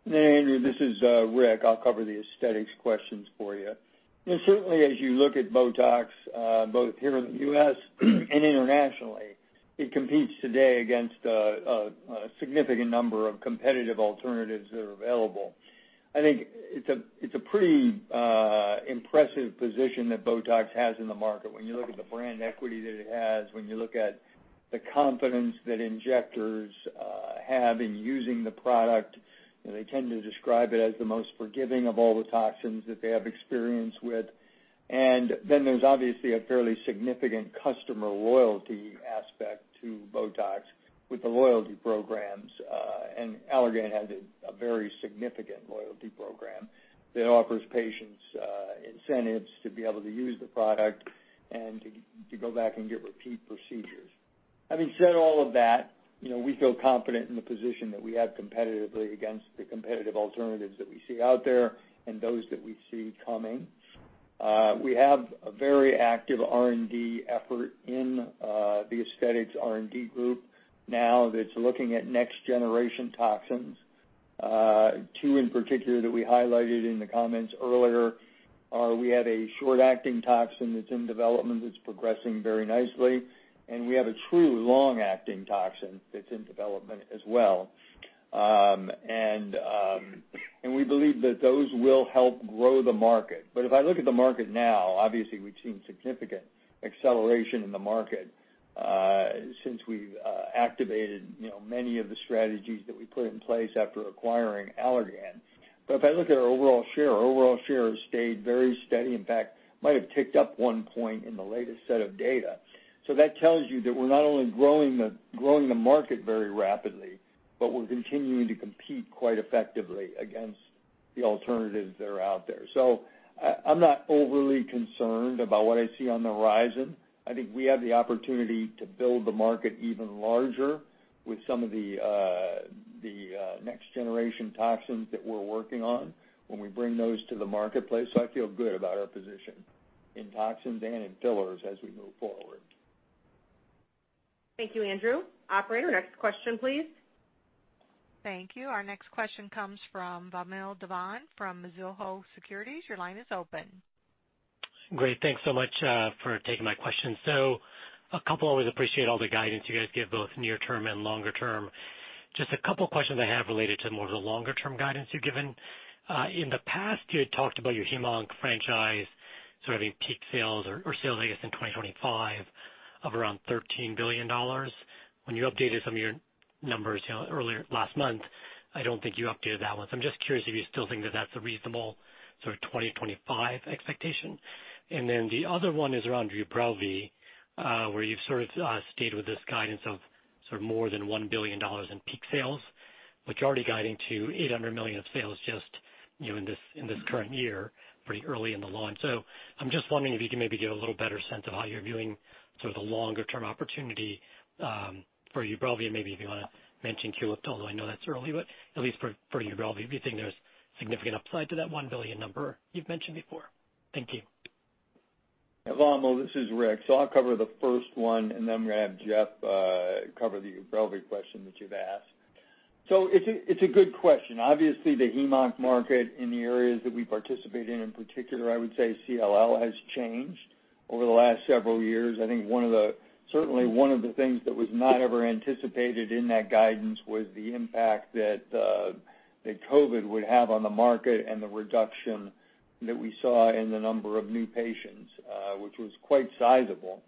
Andrew Baum, this is Rick Gonzalez. I'll cover the aesthetics questions for you. Certainly, as you look at BOTOX, both here in the U.S. and internationally, it competes today against a significant number of competitive alternatives that are available. I think it's a pretty impressive position that BOTOX has in the market when you look at the brand equity that it has, when you look at the confidence that injectors have in using the product. They tend to describe it as the most forgiving of all the toxins that they have experience with. Then there's obviously a fairly significant customer loyalty aspect to BOTOX with the loyalty programs, and Allergan has a very significant loyalty program that offers patients incentives to be able to use the product and to go back and get repeat procedures. Having said all of that, you know, we feel confident in the position that we have competitively against the competitive alternatives that we see out there and those that we see coming. We have a very active R&D effort in the aesthetics R&D group now that's looking at next-generation toxins. Two in particular that we highlighted in the comments earlier are we have a short-acting toxin that's in development that's progressing very nicely, and we have a true long-acting toxin that's in development as well. We believe that those will help grow the market. If I look at the market now, obviously we've seen significant acceleration in the market since we've activated, you know, many of the strategies that we put in place after acquiring Allergan. If I look at our overall share, our overall share has stayed very steady. In fact, it might have ticked up one point in the latest set of data. That tells you that we're not only growing the market very rapidly, but we're continuing to compete quite effectively against the alternatives that are out there. I am not overly concerned about what I see on the horizon. I think we have the opportunity to build the market even larger with some of the next-generation toxins that we're working on when we bring those to the marketplace. I feel good about our position in toxins and in fillers as we move forward. Thank you, Andrew. Operator, next question, please. Thank you. Our next question comes from Vamil Divan from Mizuho Securities. Your line is open. Great. Thanks so much for taking my question. A couple, always appreciate all the guidance you guys give, both near-term and longer-term. Just a couple questions I have related to more of the longer-term guidance you've given. In the past, you had talked about your HemOnc franchise sort of hitting peak sales, I guess, in 2025 of around $13 billion. When you updated some of your numbers, you know, earlier last month, I don't think you updated that one, so I'm just curious if you still think that that's a reasonable sort of 2025 expectation. Then the other one is around Ubrelvy, where you've sort of stayed with this guidance of sort of more than $1 billion in peak sales, but you're already guiding to $800 million of sales just, you know, in this, in this current year, pretty early in the launch. I'm just wondering if you can maybe give a little better sense of how you're viewing sort of the longer-term opportunity, for Ubrelvy and maybe if you wanna mention Qulipta, although I know that's early, but at least for Ubrelvy, if you think there's significant upside to that $1 billion number you've mentioned before. Thank you. Vamil, this is Rick. I'll cover the first one, and then I'm gonna have Jeff cover the Ubrelvy question that you've asked. It's a good question. Obviously, the HemOnc market in the areas that we participate in particular, I would say CLL, has changed over the last several years. I think one of the certainly one of the things that was not ever anticipated in that guidance was the impact that that COVID would have on the market and the reduction that we saw in the number of new patients, which was quite sizable.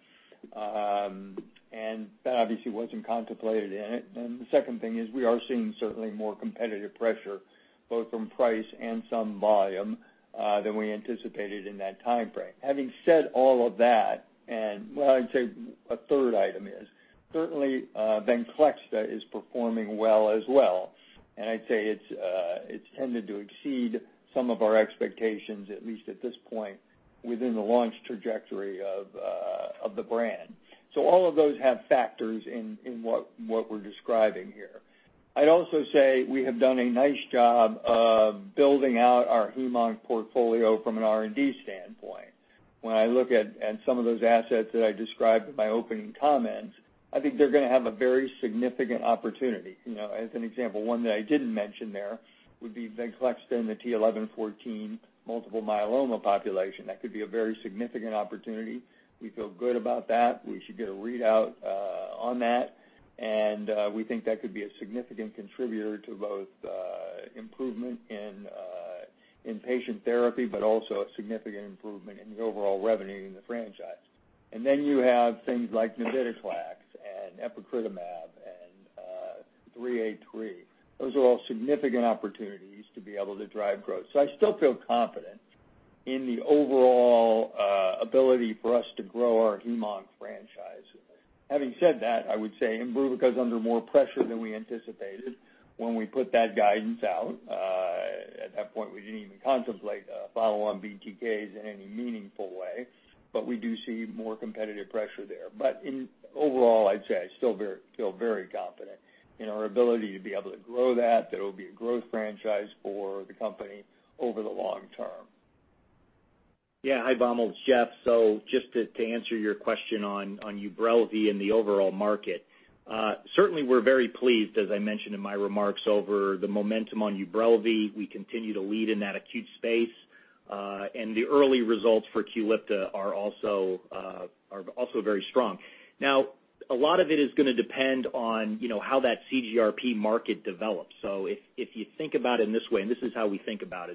That obviously wasn't contemplated in it. The second thing is we are seeing certainly more competitive pressure both from price and some volume than we anticipated in that timeframe. Having said all of that, well, I'd say a third item is certainly Venclexta is performing well as well. I'd say it's tended to exceed some of our expectations, at least at this point, within the launch trajectory of the brand. All of those have factors in what we're describing here. I'd also say we have done a nice job of building out our HemOnc portfolio from an R&D standpoint. When I look at some of those assets that I described in my opening comments, I think they're gonna have a very significant opportunity. You know, as an example, one that I didn't mention there would be Venclexta in the t(11;14) multiple myeloma population. That could be a very significant opportunity. We feel good about that. We should get a readout on that. We think that could be a significant contributor to both improvement in patient therapy, but also a significant improvement in the overall revenue in the franchise. Then you have things like navitoclax and epcoritamab and ABBV-383. Those are all significant opportunities to be able to drive growth. I still feel confident in the overall ability for us to grow our HemOnc franchise. Having said that, I would say Imbruvica is under more pressure than we anticipated when we put that guidance out. At that point, we didn't even contemplate follow on BTKs in any meaningful way, but we do see more competitive pressure there. In overall, I'd say I still feel very confident in our ability to be able to grow that. That it'll be a growth franchise for the company over the long term. Yeah. Hi, Vamil. It's Jeff. To answer your question on Ubrelvy and the overall market, certainly we're very pleased, as I mentioned in my remarks, over the momentum on Ubrelvy. We continue to lead in that acute space. The early results for Qulipta are also very strong. Now, a lot of it is gonna depend on, you know, how that CGRP market develops. If you think about it in this way, and this is how we think about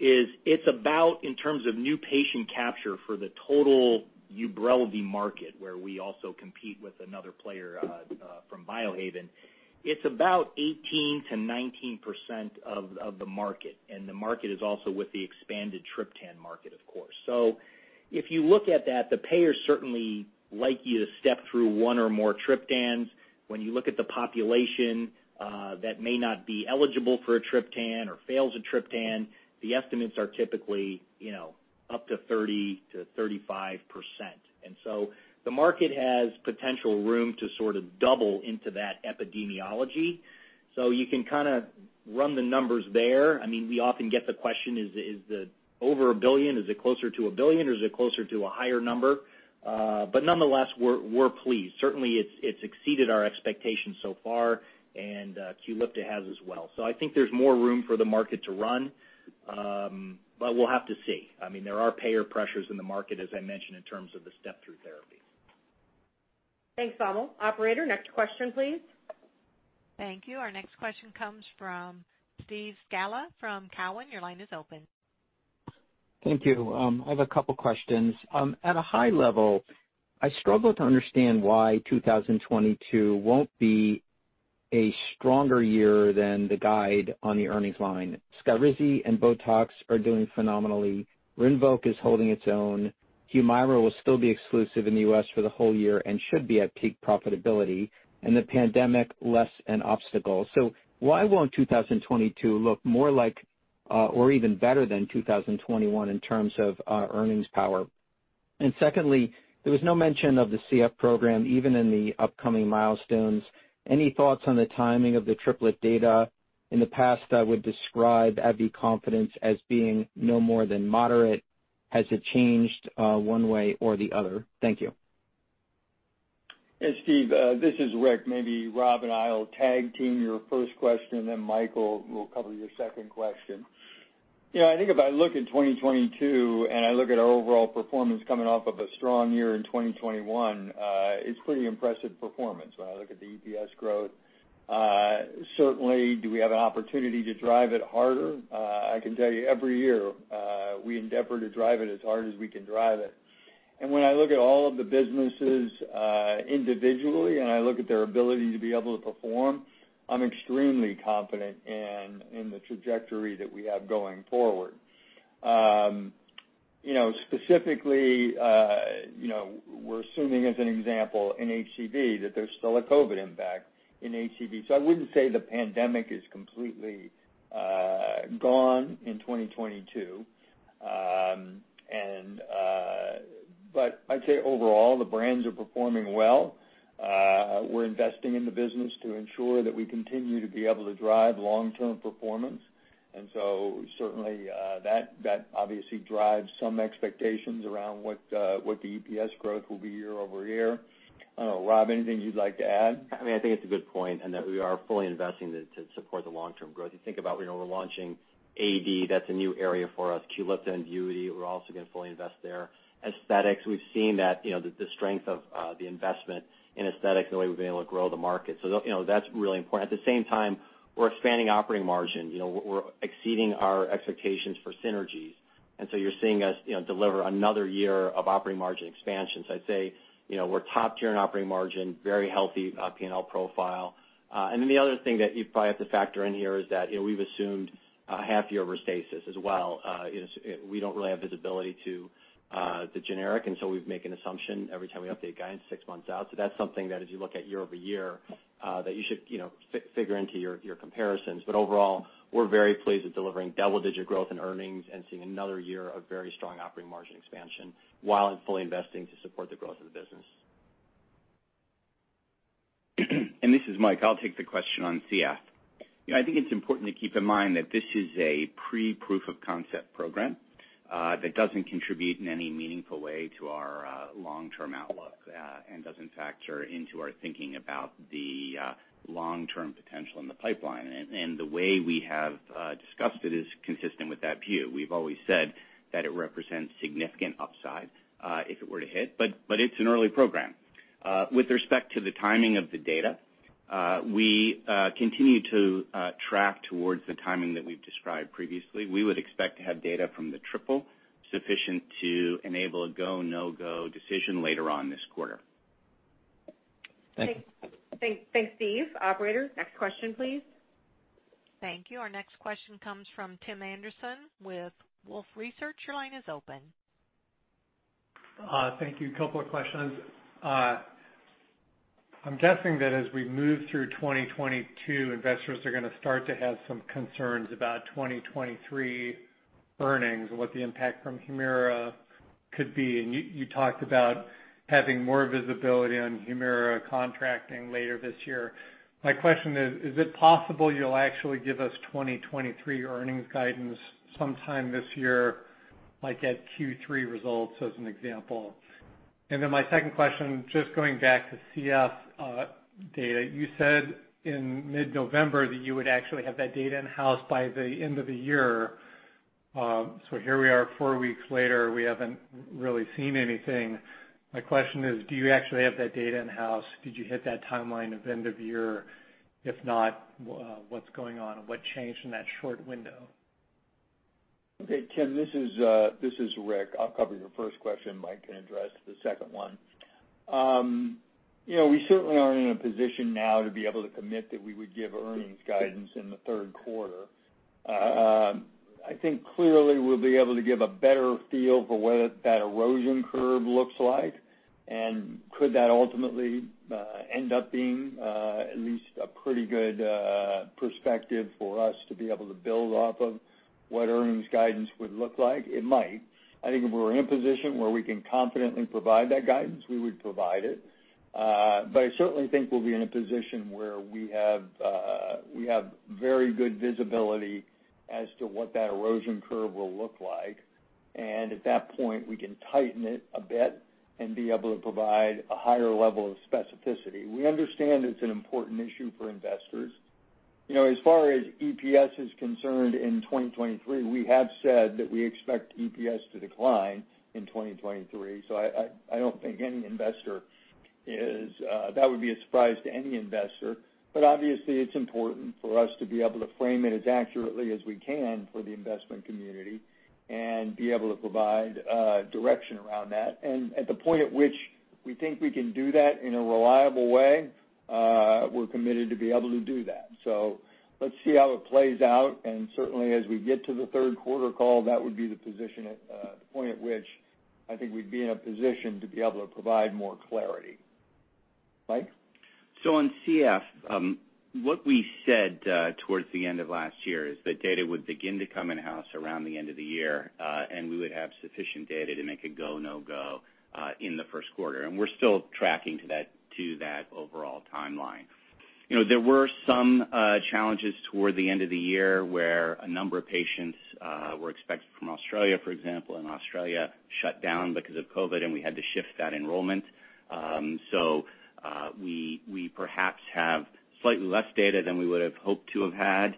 it's about in terms of new patient capture for the total Ubrelvy market, where we also compete with another player from Biohaven. It's about 18%-19% of the market, and the market is also with the expanded triptan market, of course. If you look at that, the payers certainly like you to step through one or more triptans. When you look at the population that may not be eligible for a triptan or fails a triptan, the estimates are typically, you know, up to 30%-35%. The market has potential room to sort of double into that epidemiology. You can kinda run the numbers there. I mean, we often get the question, is the over a billion, is it closer to a billion or is it closer to a higher number? But nonetheless, we're pleased. Certainly it's exceeded our expectations so far, and Qulipta has as well. I think there's more room for the market to run, but we'll have to see. I mean, there are payer pressures in the market, as I mentioned, in terms of the step therapy. Thanks, Vamil. Operator, next question, please. Thank you. Our next question comes from Steve Scala from Cowen. Your line is open. Thank you. I have a couple questions. At a high level, I struggle to understand why 2022 won't be a stronger year than the guide on the earnings line. Skyrizi and BOTOX are doing phenomenally. Rinvoq is holding its own. Humira will still be exclusive in the U.S. for the whole year and should be at peak profitability and the pandemic less an obstacle. Why won't 2022 look more like or even better than 2021 in terms of earnings power? And secondly, there was no mention of the CF program, even in the upcoming milestones. Any thoughts on the timing of the triplet data? In the past, I would describe AbbVie confidence as being no more than moderate. Has it changed one way or the other? Thank you. Hey, Steve, this is Rick. Maybe Rob and I will tag team your first question, and then Michael will cover your second question. You know, I think if I look at 2022, and I look at our overall performance coming off of a strong year in 2021, it's pretty impressive performance when I look at the EPS growth. Certainly do we have an opportunity to drive it harder? I can tell you every year, we endeavor to drive it as hard as we can drive it. When I look at all of the businesses individually, and I look at their ability to be able to perform, I'm extremely confident in the trajectory that we have going forward. You know, specifically, you know, we're assuming, as an example in HCV, that there's still a COVID impact in HCV. I wouldn't say the pandemic is completely gone in 2022. I'd say overall, the brands are performing well. We're investing in the business to ensure that we continue to be able to drive long-term performance. Certainly, that obviously drives some expectations around what the EPS growth will be year-over-year. I don't know, Rob, anything you'd like to add? I mean, I think it's a good point, and that we are fully investing to support the long-term growth. You think about, you know, we're launching AD, that's a new area for us. Qalyxa in beauty, we're also gonna fully invest there. Aesthetics, we've seen that, you know, the strength of the investment in aesthetics, the way we've been able to grow the market. So you know, that's really important. At the same time, we're expanding operating margin. You know, we're exceeding our expectations for synergies. You're seeing us, you know, deliver another year of operating margin expansion. So I'd say, you know, we're top tier in operating margin, very healthy, P&L profile. And then the other thing that you probably have to factor in here is that, you know, we've assumed a half year of Restasis as well. You know, we don't really have visibility to the generic, and so we've made an assumption every time we update guidance six months out. That's something that as you look at year-over-year, that you should, you know, figure into your comparisons. But overall, we're very pleased at delivering double-digit growth in earnings and seeing another year of very strong operating margin expansion while fully investing to support the growth of the business. This is Mike. I'll take the question on CF. You know, I think it's important to keep in mind that this is a pre-proof of concept program that doesn't contribute in any meaningful way to our long-term outlook, and doesn't factor into our thinking about the long-term potential in the pipeline. The way we have discussed it is consistent with that view. We've always said that it represents significant upside, if it were to hit, but it's an early program. With respect to the timing of the data, we continue to track towards the timing that we've described previously. We would expect to have data from the triple sufficient to enable a go, no-go decision later on this quarter. Thanks. Thanks, Steve. Operator, next question, please. Thank you. Our next question comes from Tim Anderson with Wolfe Research. Your line is open. Thank you. A couple of questions. I'm guessing that as we move through 2022, investors are gonna start to have some concerns about 2023 earnings and what the impact from Humira could be. You talked about having more visibility on Humira contracting later this year. My question is it possible you'll actually give us 2023 earnings guidance sometime this year, like at Q3 results as an example? My second question, just going back to CF data. You said in mid-November that you would actually have that data in-house by the end of the year. So here we are four weeks later, we haven't really seen anything. My question is, do you actually have that data in-house? Did you hit that timeline of end of year? If not, what's going on and what changed in that short window? Okay, Tim, this is Rick. I'll cover your first question. Mike can address the second one. You know, we certainly aren't in a position now to be able to commit that we would give earnings guidance in the Q3. I think clearly we'll be able to give a better feel for what that erosion curve looks like. Could that ultimately end up being at least a pretty good perspective for us to be able to build off of what earnings guidance would look like? It might. I think if we were in a position where we can confidently provide that guidance, we would provide it. But I certainly think we'll be in a position where we have very good visibility as to what that erosion curve will look like. At that point, we can tighten it a bit and be able to provide a higher level of specificity. We understand it's an important issue for investors. You know, as far as EPS is concerned in 2023, we have said that we expect EPS to decline in 2023. I don't think that would be a surprise to any investor. But obviously, it's important for us to be able to frame it as accurately as we can for the investment community and be able to provide direction around that. At the point at which we think we can do that in a reliable way, we're committed to be able to do that. Let's see how it plays out. Certainly, as we get to the Q3 call, that would be the position at the point at which I think we'd be in a position to be able to provide more clarity. Mike? On CF, what we said towards the end of last year is that data would begin to come in-house around the end of the year, and we would have sufficient data to make a go, no-go in the first quarter. We're still tracking to that overall timeline. You know, there were some challenges toward the end of the year where a number of patients were expected from Australia, for example, and Australia shut down because of COVID, and we had to shift that enrollment. We perhaps have slightly less data than we would have hoped to have had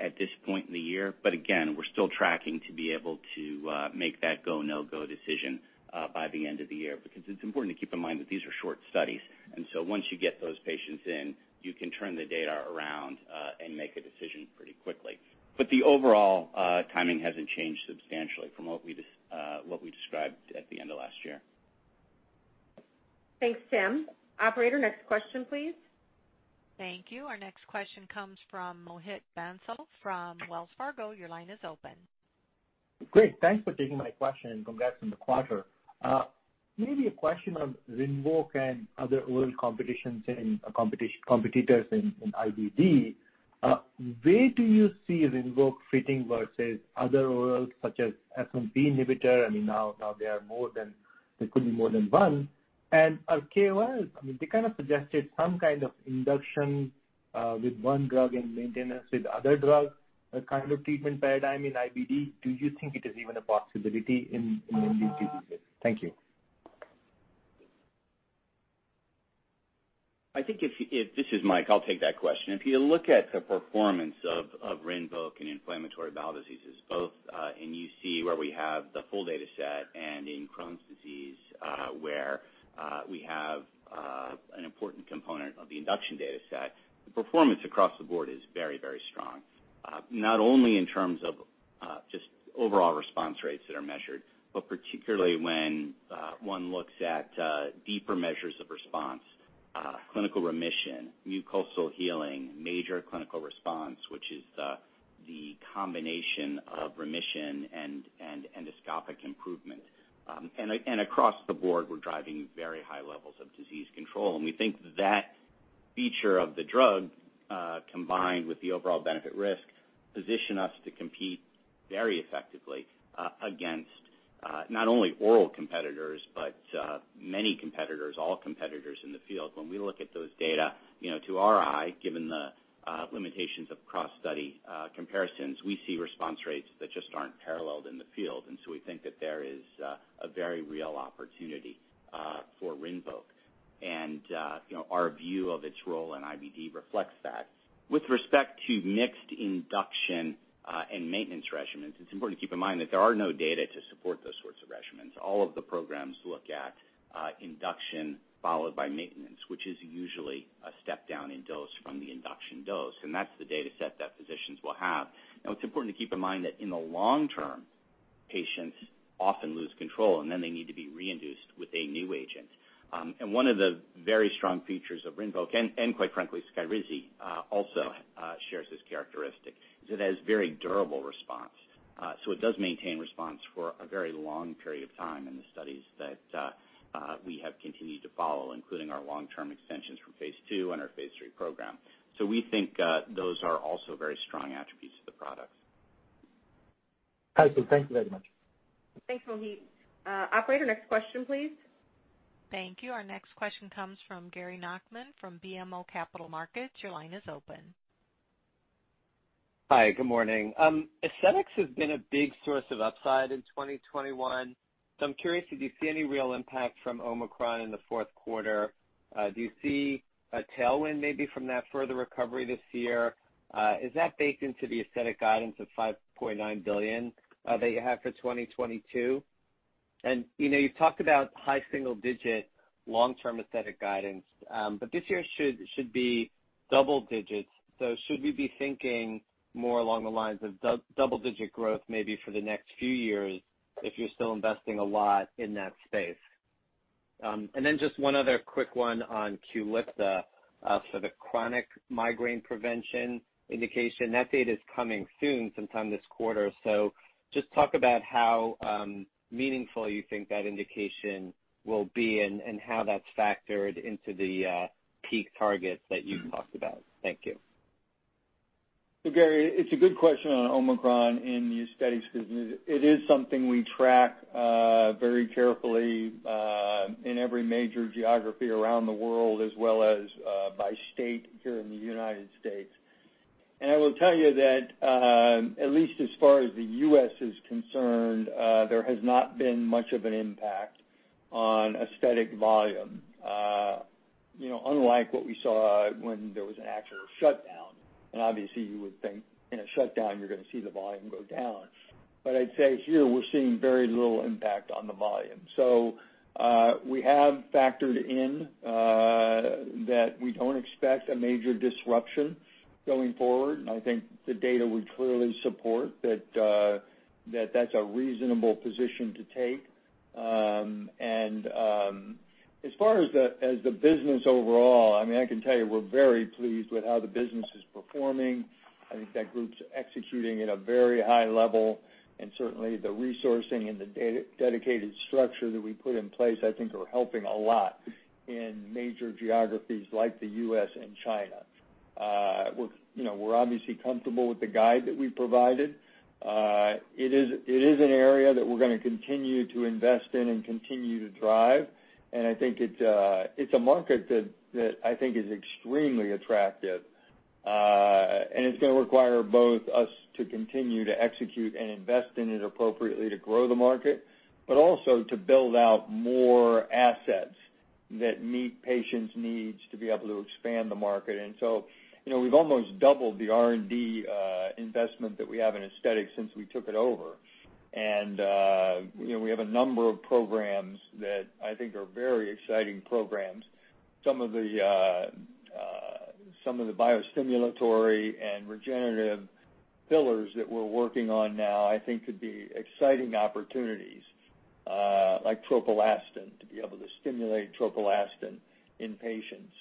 at this point in the year. Again, we're still tracking to be able to make that go, no-go decision by the end of the year. Because it's important to keep in mind that these are short studies. Once you get those patients in, you can turn the data around, and make a decision pretty quickly. The overall timing hasn't changed substantially from what we described at the end of last year. Thanks, Tim. Operator, next question, please. Thank you. Our next question comes from Mohit Bansal from Wells Fargo. Your line is open. Great. Thanks for taking my question, and congrats on the quarter. Maybe a question on Rinvoq and other oral competitors in IBD. Where do you see Rinvoq fitting versus other orals such as S1P inhibitor? I mean, there could be more than one. KOL, I mean, they kind of suggested some kind of induction with one drug and maintenance with other drug, a kind of treatment paradigm in IBD. Do you think it is even a possibility in two diseases? Thank you. This is Mike, I'll take that question. If you look at the performance of Rinvoq in inflammatory bowel diseases, both in UC where we have the full data set and in Crohn's disease, where we have an important component of the induction data set, the performance across the board is very, very strong. Not only in terms of just overall response rates that are measured, but particularly when one looks at deeper measures of response, clinical remission, mucosal healing, major clinical response, which is the combination of remission and endoscopic improvement. Across the board, we're driving very high levels of disease control. We think that feature of the drug, combined with the overall benefit risk, position us to compete very effectively, against, not only oral competitors, but, many competitors, all competitors in the field. When we look at those data, you know, to our eye, given the limitations of cross study comparisons, we see response rates that just aren't paralleled in the field. We think that there is a very real opportunity for Rinvoq. You know, our view of its role in IBD reflects that. With respect to mixed induction and maintenance regimens, it's important to keep in mind that there are no data to support those sorts of regimens. All of the programs look at induction followed by maintenance, which is usually a step down in dose from the induction dose. That's the data set that physicians will have. Now, it's important to keep in mind that in the long term, patients often lose control, and then they need to be re-induced with a new agent. One of the very strong features of Rinvoq, and quite frankly, Skyrizi also shares this characteristic, is it has very durable response. So it does maintain response for a very long period of time in the studies that we have continued to follow, including our long-term extensions from phase II and our phase III program. We think those are also very strong attributes to the products. Awesome. Thank you very much. Thanks, Mohit. Operator, next question, please. Thank you. Our next question comes from Gary Nachman from BMO Capital Markets. Your line is open. Hi, good morning. Aesthetics has been a big source of upside in 2021. I'm curious if you see any real impact from Omicron in the fourth quarter. Do you see a tailwind maybe from that further recovery this year? Is that baked into the Aesthetics guidance of $5.9 billion that you have for 2022? You know, you've talked about high single-digit long-term Aesthetics guidance, but this year should be double digits. Should we be thinking more along the lines of double-digit growth maybe for the next few years if you're still investing a lot in that space? Then just one other quick one on Qulipta for the chronic migraine prevention indication. That data's coming soon, sometime this quarter. Just talk about how meaningful you think that indication will be and how that's factored into the peak targets that you've talked about. Thank you. Gary, it's a good question on Omicron in new studies because it is something we track very carefully in every major geography around the world, as well as by state here in the United States. I will tell you that, at least as far as the U.S. is concerned, there has not been much of an impact on aesthetic volume. You know, unlike what we saw when there was an actual shutdown, and obviously you would think in a shutdown, you're gonna see the volume go down. I'd say here we're seeing very little impact on the volume. We have factored in that we don't expect a major disruption going forward. I think the data would clearly support that that's a reasonable position to take. As far as the business overall, I mean, I can tell you we're very pleased with how the business is performing. I think that group's executing at a very high level, and certainly the resourcing and the dedicated structure that we put in place I think are helping a lot in major geographies like the U.S. and China. You know, we're obviously comfortable with the guide that we provided. It is an area that we're gonna continue to invest in and continue to drive. I think it's a market that I think is extremely attractive. It's gonna require both us to continue to execute and invest in it appropriately to grow the market, but also to build out more assets that meet patients' needs to be able to expand the market. You know, we've almost doubled the R&D investment that we have in aesthetics since we took it over. You know, we have a number of programs that I think are very exciting programs. Some of the biostimulatory and regenerative fillers that we're working on now I think could be exciting opportunities, like tropoelastin. To be able to stimulate tropoelastin in patients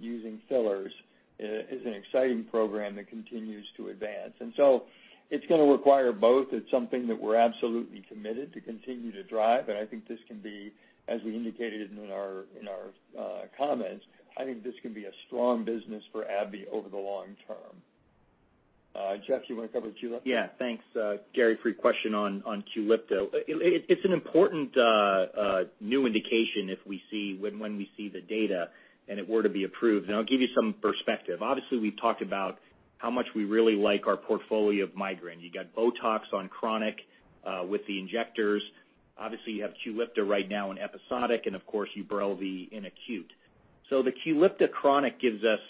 using fillers is an exciting program that continues to advance. It's gonna require both. It's something that we're absolutely committed to continue to drive, and I think this can be, as we indicated in our comments, I think this can be a strong business for AbbVie over the long term. Jeff, you wanna cover Qulipta? Thanks, Gary, for your question on Qulipta. It's an important new indication when we see the data and it were to be approved, and I'll give you some perspective. Obviously, we've talked about how much we really like our portfolio of migraine. You got Botox on chronic with the injectors. Obviously, you have Qulipta right now in episodic, and of course, Ubrelvy in acute. The Qulipta chronic gives us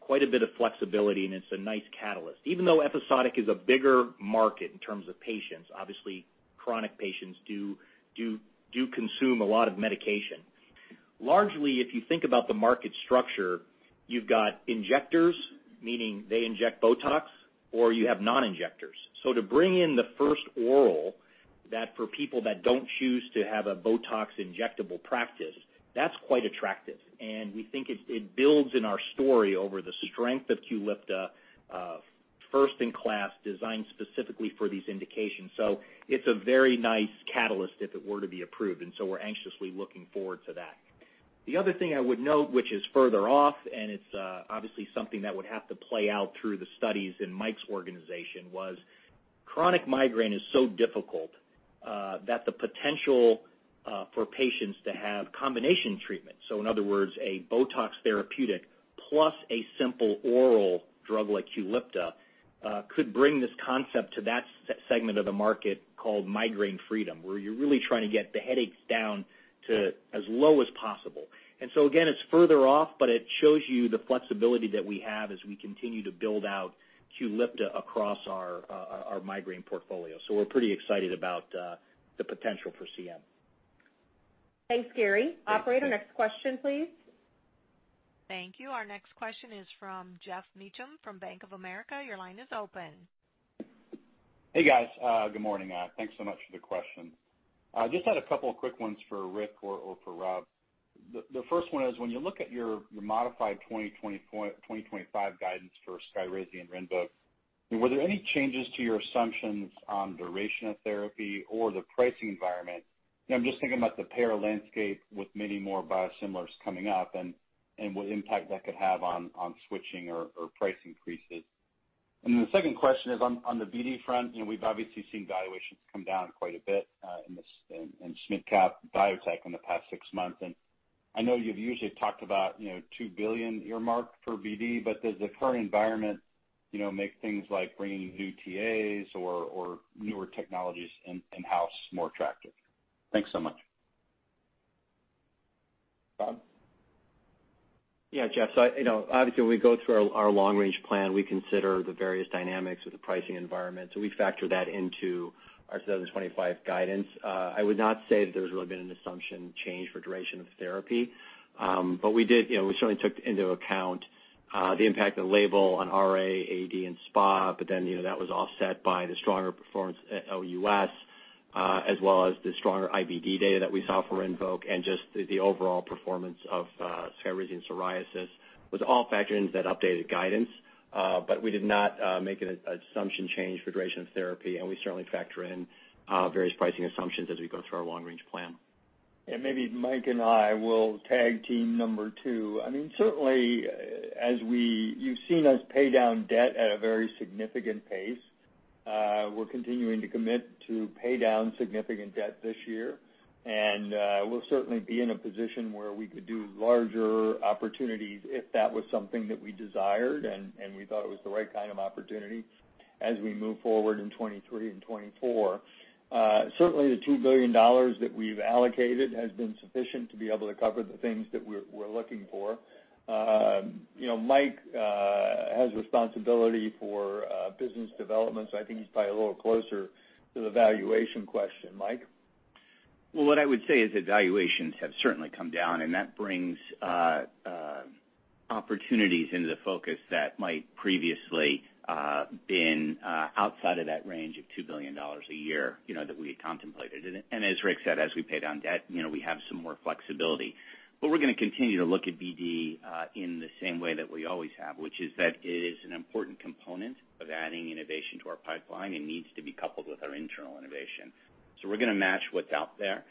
quite a bit of flexibility, and it's a nice catalyst. Even though episodic is a bigger market in terms of patients, obviously chronic patients do consume a lot of medication. Largely, if you think about the market structure, you've got injectors, meaning they inject Botox, or you have non-injectors. To bring in the first oral for people that don't choose to have a Botox injectable practice, that's quite attractive. We think it builds on our story of the strength of Qulipta, first-in-class designed specifically for these indications. It's a very nice catalyst if it were to be approved, and so we're anxiously looking forward to that. The other thing I would note, which is further off, and it's obviously something that would have to play out through the studies in Mike's organization. Chronic migraine is so difficult that the potential for patients to have combination treatment, so in other words, a Botox therapeutic plus a simple oral drug like Qulipta, could bring this concept to that segment of the market called migraine freedom, where you're really trying to get the headaches down to as low as possible. Again, it's further off, but it shows you the flexibility that we have as we continue to build out Qulipta across our migraine portfolio. We're pretty excited about the potential for CM. Thanks, Gary. Thanks. Operator, next question, please. Thank you. Our next question is from Geoff Meacham from Bank of America. Your line is open. Hey, guys. Good morning. Thanks so much for the question. Just had a couple of quick ones for Rick or for Rob. The first one is when you look at your modified 2025 guidance for Skyrizi and Rinvoq, were there any changes to your assumptions on duration of therapy or the pricing environment? I'm just thinking about the payer landscape with many more biosimilars coming up and what impact that could have on switching or price increases. Then the second question is on the BD front, you know, we've obviously seen valuations come down quite a bit in small- and mid-cap biotech in the past six months. I know you've usually talked about, you know, $2 billion earmarked for BD, but does the current environment, you know, make things like bringing new TAs or newer technologies in-house more attractive? Thanks so much. Rob? Yeah, Jeff. You know, obviously, when we go through our long-range plan, we consider the various dynamics of the pricing environment. We factor that into our 2025 guidance. I would not say that there's really been an assumption change for duration of therapy. We did, you know, we certainly took into account the impact of the label on RA, AD, and SpA, but then, you know, that was offset by the stronger performance at OUS, as well as the stronger IBD data that we saw for Rinvoq and just the overall performance of Skyrizi and psoriasis was all factored into that updated guidance. We did not make an assumption change for duration of therapy, and we certainly factor in various pricing assumptions as we go through our long-range plan. Maybe Mike and I will tag team number two. I mean, certainly you've seen us pay down debt at a very significant pace. We're continuing to commit to pay down significant debt this year, and we'll certainly be in a position where we could do larger opportunities if that was something that we desired and we thought it was the right kind of opportunity as we move forward in 2023 and 2024. Certainly the $2 billion that we've allocated has been sufficient to be able to cover the things that we're looking for. You know, Mike has responsibility for business development, so I think he's probably a little closer to the valuation question. Mike? Well, what I would say is that valuations have certainly come down, and that brings opportunities into the focus that might previously been outside of that range of $2 billion a year, you know, that we had contemplated. As Rick said, as we pay down debt, you know, we have some more flexibility. We're gonna continue to look at BD in the same way that we always have, which is that it is an important component of adding innovation to our pipeline and needs to be coupled with our internal innovation. We're gonna match what's out there,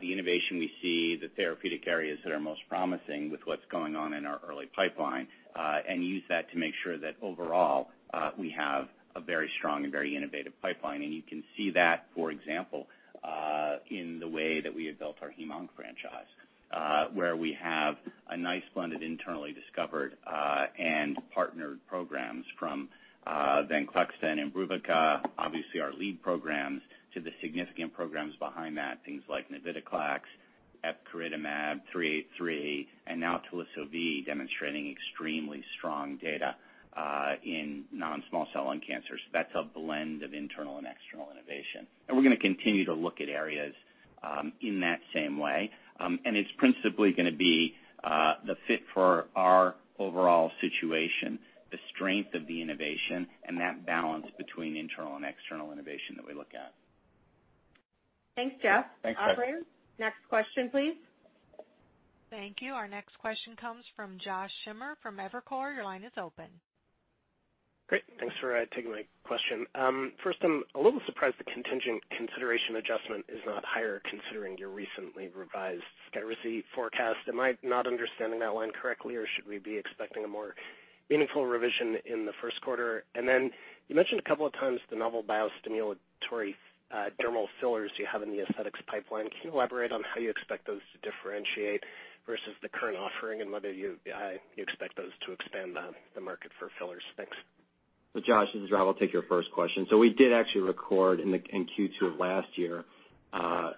the innovation we see, the therapeutic areas that are most promising with what's going on in our early pipeline, and use that to make sure that overall, we have a very strong and very innovative pipeline. You can see that, for example, in the way that we have built our HemOnc franchise, where we have a nice blend of internally discovered and partnered programs from Venclexta and Imbruvica, obviously our lead programs, to the significant programs behind that, things like navitoclax, epcoritamab, ABBV-383, and now Teliso-V demonstrating extremely strong data in non-small-cell lung cancer. That's a blend of internal and external innovation. We're gonna continue to look at areas in that same way. It's principally gonna be the fit for our overall situation, the strength of the innovation, and that balance between internal and external innovation that we look at. Thanks, Jeff. Thanks, Jeff. Operator, next question, please. Thank you. Our next question comes from Josh Schimmer from Evercore. Your line is open. Great. Thanks for taking my question. First, I'm a little surprised the contingent consideration adjustment is not higher considering your recently revised Skyrizi forecast. Am I not understanding that line correctly, or should we be expecting a more meaningful revision in the Q1? You mentioned a couple of times the novel biostimulatory dermal fillers you have in the aesthetics pipeline. Can you elaborate on how you expect those to differentiate versus the current offering and whether you expect those to expand the market for fillers? Thanks. Josh, this is Rav. I'll take your first question. We did actually record in Q2 of last year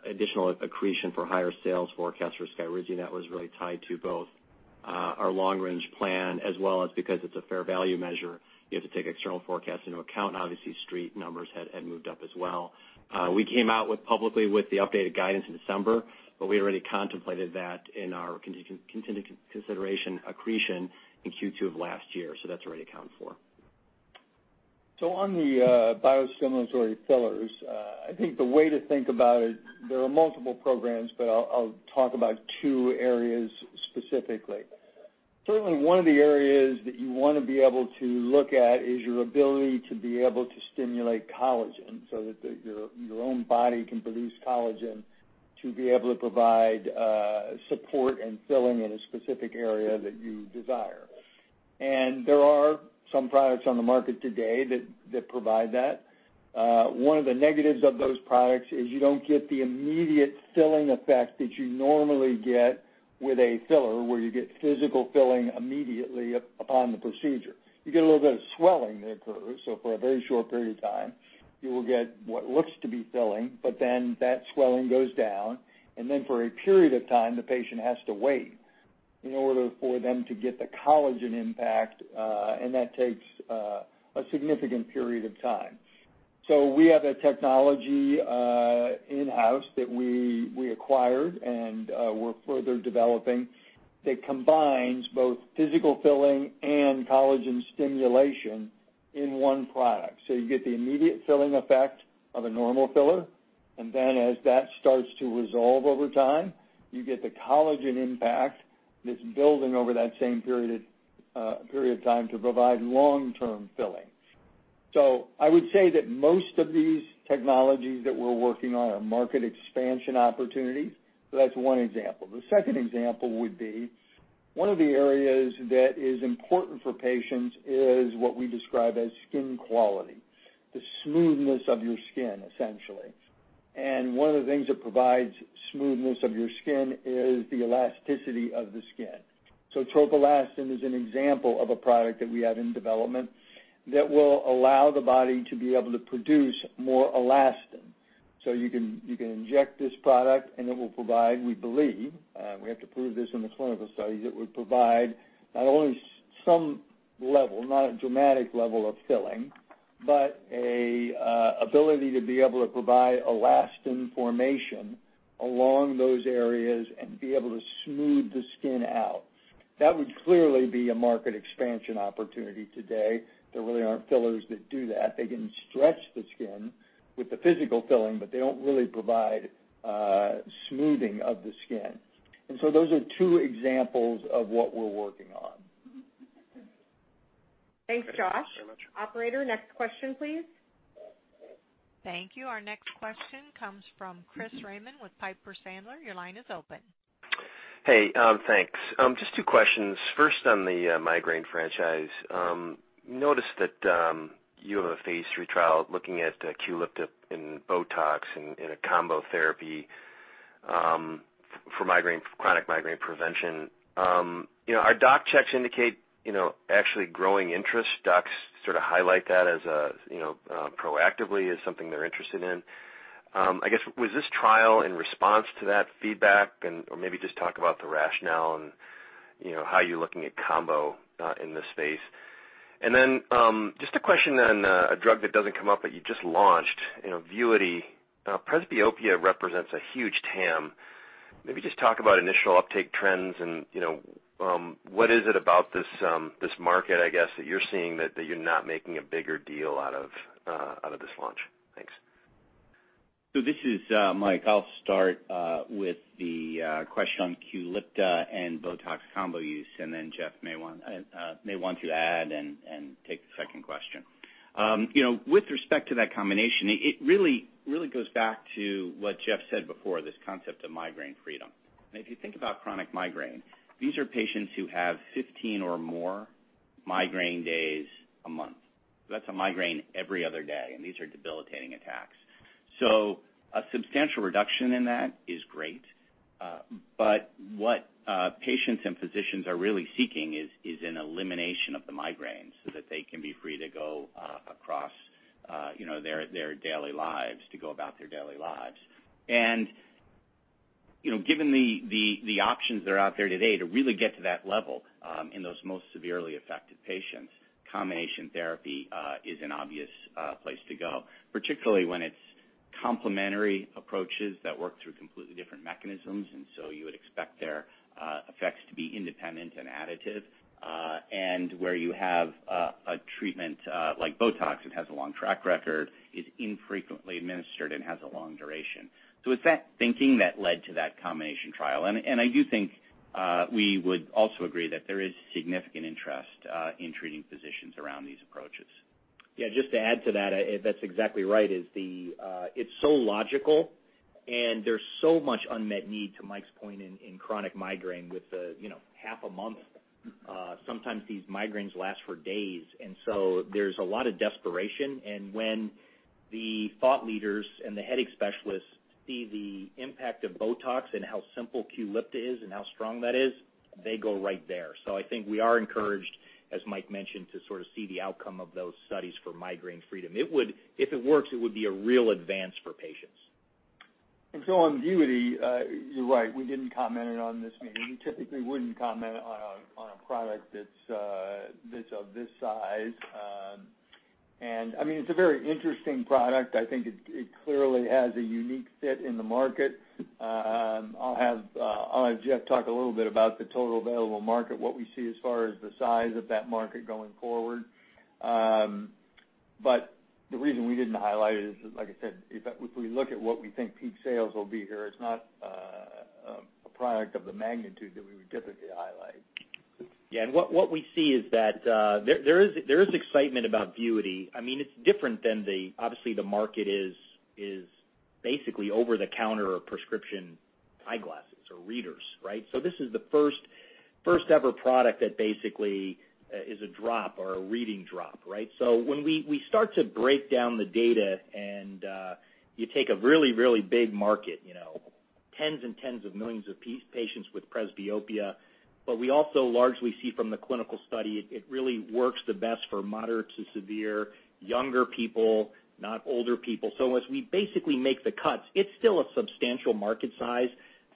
additional accretion for higher sales forecast for Skyrizi. That was really tied to both our long-range plan as well as because it's a fair value measure, you have to take external forecasts into account. Obviously, street numbers had moved up as well. We came out publicly with the updated guidance in December, but we had already contemplated that in our contingent consideration accretion in Q2 of last year. That's already accounted for. On the biostimulatory fillers, I think the way to think about it, there are multiple programs, but I'll talk about two areas specifically. Certainly, one of the areas that you wanna be able to look at is your ability to be able to stimulate collagen so that your own body can produce collagen to be able to provide support and filling in a specific area that you desire. There are some products on the market today that provide that. One of the negatives of those products is you don't get the immediate filling effect that you normally get with a filler where you get physical filling immediately upon the procedure. You get a little bit of swelling that occurs, so for a very short period of time, you will get what looks to be filling, but then that swelling goes down. For a period of time, the patient has to wait in order for them to get the collagen impact, and that takes a significant period of time. We have a technology in-house that we acquired and we're further developing that combines both physical filling and collagen stimulation in one product. You get the immediate filling effect of a normal filler, and then as that starts to resolve over time, you get the collagen impact that's building over that same period of time to provide long-term filling. I would say that most of these technologies that we're working on are market expansion opportunities. That's one example. The second example would be one of the areas that is important for patients is what we describe as skin quality, the smoothness of your skin, essentially. One of the things that provides smoothness of your skin is the elasticity of the skin. Tropoelastin is an example of a product that we have in development that will allow the body to be able to produce more elastin. You can inject this product, and it will provide, we believe, we have to prove this in the clinical studies, it would provide not only some level, not a dramatic level of filling, but an ability to be able to provide elastin formation along those areas and be able to smooth the skin out. That would clearly be a market expansion opportunity today. There really aren't fillers that do that. They can stretch the skin with the physical filling, but they don't really provide smoothing of the skin. Those are two examples of what we're working on. Thank you very much. Thanks, Josh. Operator, next question, please. Thank you. Our next question comes from Christopher Raymond with Piper Sandler. Your line is open. Hey, thanks. Just two questions. First, on the migraine franchise, noticed that you have a phase III trial looking at Qulipta in Botox in a combo therapy for migraine, chronic migraine prevention. You know, our doc checks indicate, you know, actually growing interest. Docs sort of highlight that as a, you know, proactively as something they're interested in. I guess, was this trial in response to that feedback and, or maybe just talk about the rationale and, you know, how you're looking at combo in this space. Then, just a question on a drug that doesn't come up, but you just launched, you know, VUITY. Presbyopia represents a huge TAM. Maybe just talk about initial uptake trends and, you know, what is it about this market, I guess, that you're seeing that you're not making a bigger deal out of this launch? Thanks. This is Mike. I'll start with the question on Qulipta and Botox combo use, and then Jeff may want to add and take the second question. You know, with respect to that combination, it really goes back to what Jeff said before, this concept of migraine freedom. If you think about chronic migraine, these are patients who have 15 or more migraine days a month. That's a migraine every other day, and these are debilitating attacks. A substantial reduction in that is great. But what patients and physicians are really seeking is an elimination of the migraines so that they can be free to go across, you know, their daily lives to go about their daily lives. You know, given the options that are out there today to really get to that level, in those most severely affected patients, combination therapy is an obvious place to go, particularly when it's complementary approaches that work through completely different mechanisms, and so you would expect their effects to be independent and additive, and where you have a treatment like BOTOX that has a long track record, is infrequently administered, and has a long duration. It's that thinking that led to that combination trial. I do think we would also agree that there is significant interest in treating physicians around these approaches. Yeah, just to add to that's exactly right. It's so logical, and there's so much unmet need, to Mike's point, in chronic migraine with the, you know, half a month. Sometimes these migraines last for days. When the thought leaders and the headache specialists see the impact of Botox and how simple Qulipta is and how strong that is, they go right there. I think we are encouraged, as Mike mentioned, to sort of see the outcome of those studies for migraine freedom. It would. If it works, it would be a real advance for patients. On VUITY, you're right, we didn't comment on this meeting. We typically wouldn't comment on a product that's of this size. I mean, it's a very interesting product. I think it clearly has a unique fit in the market. I'll have Jeff talk a little bit about the total available market, what we see as far as the size of that market going forward. But the reason we didn't highlight it is, like I said, if we look at what we think peak sales will be here, it's not a product of the magnitude that we would typically highlight. Yeah. What we see is that there is excitement about VUITY. I mean, it's different than the. Obviously, the market is basically over-the-counter prescription eyeglasses or readers, right? This is the first ever product that basically is a drop or a reading drop, right? When we start to break down the data and you take a really big market, you know, tens and tens of millions of patients with presbyopia, but we also largely see from the clinical study, it really works the best for moderate to severe younger people, not older people. As we basically make the cuts, it's still a substantial market size,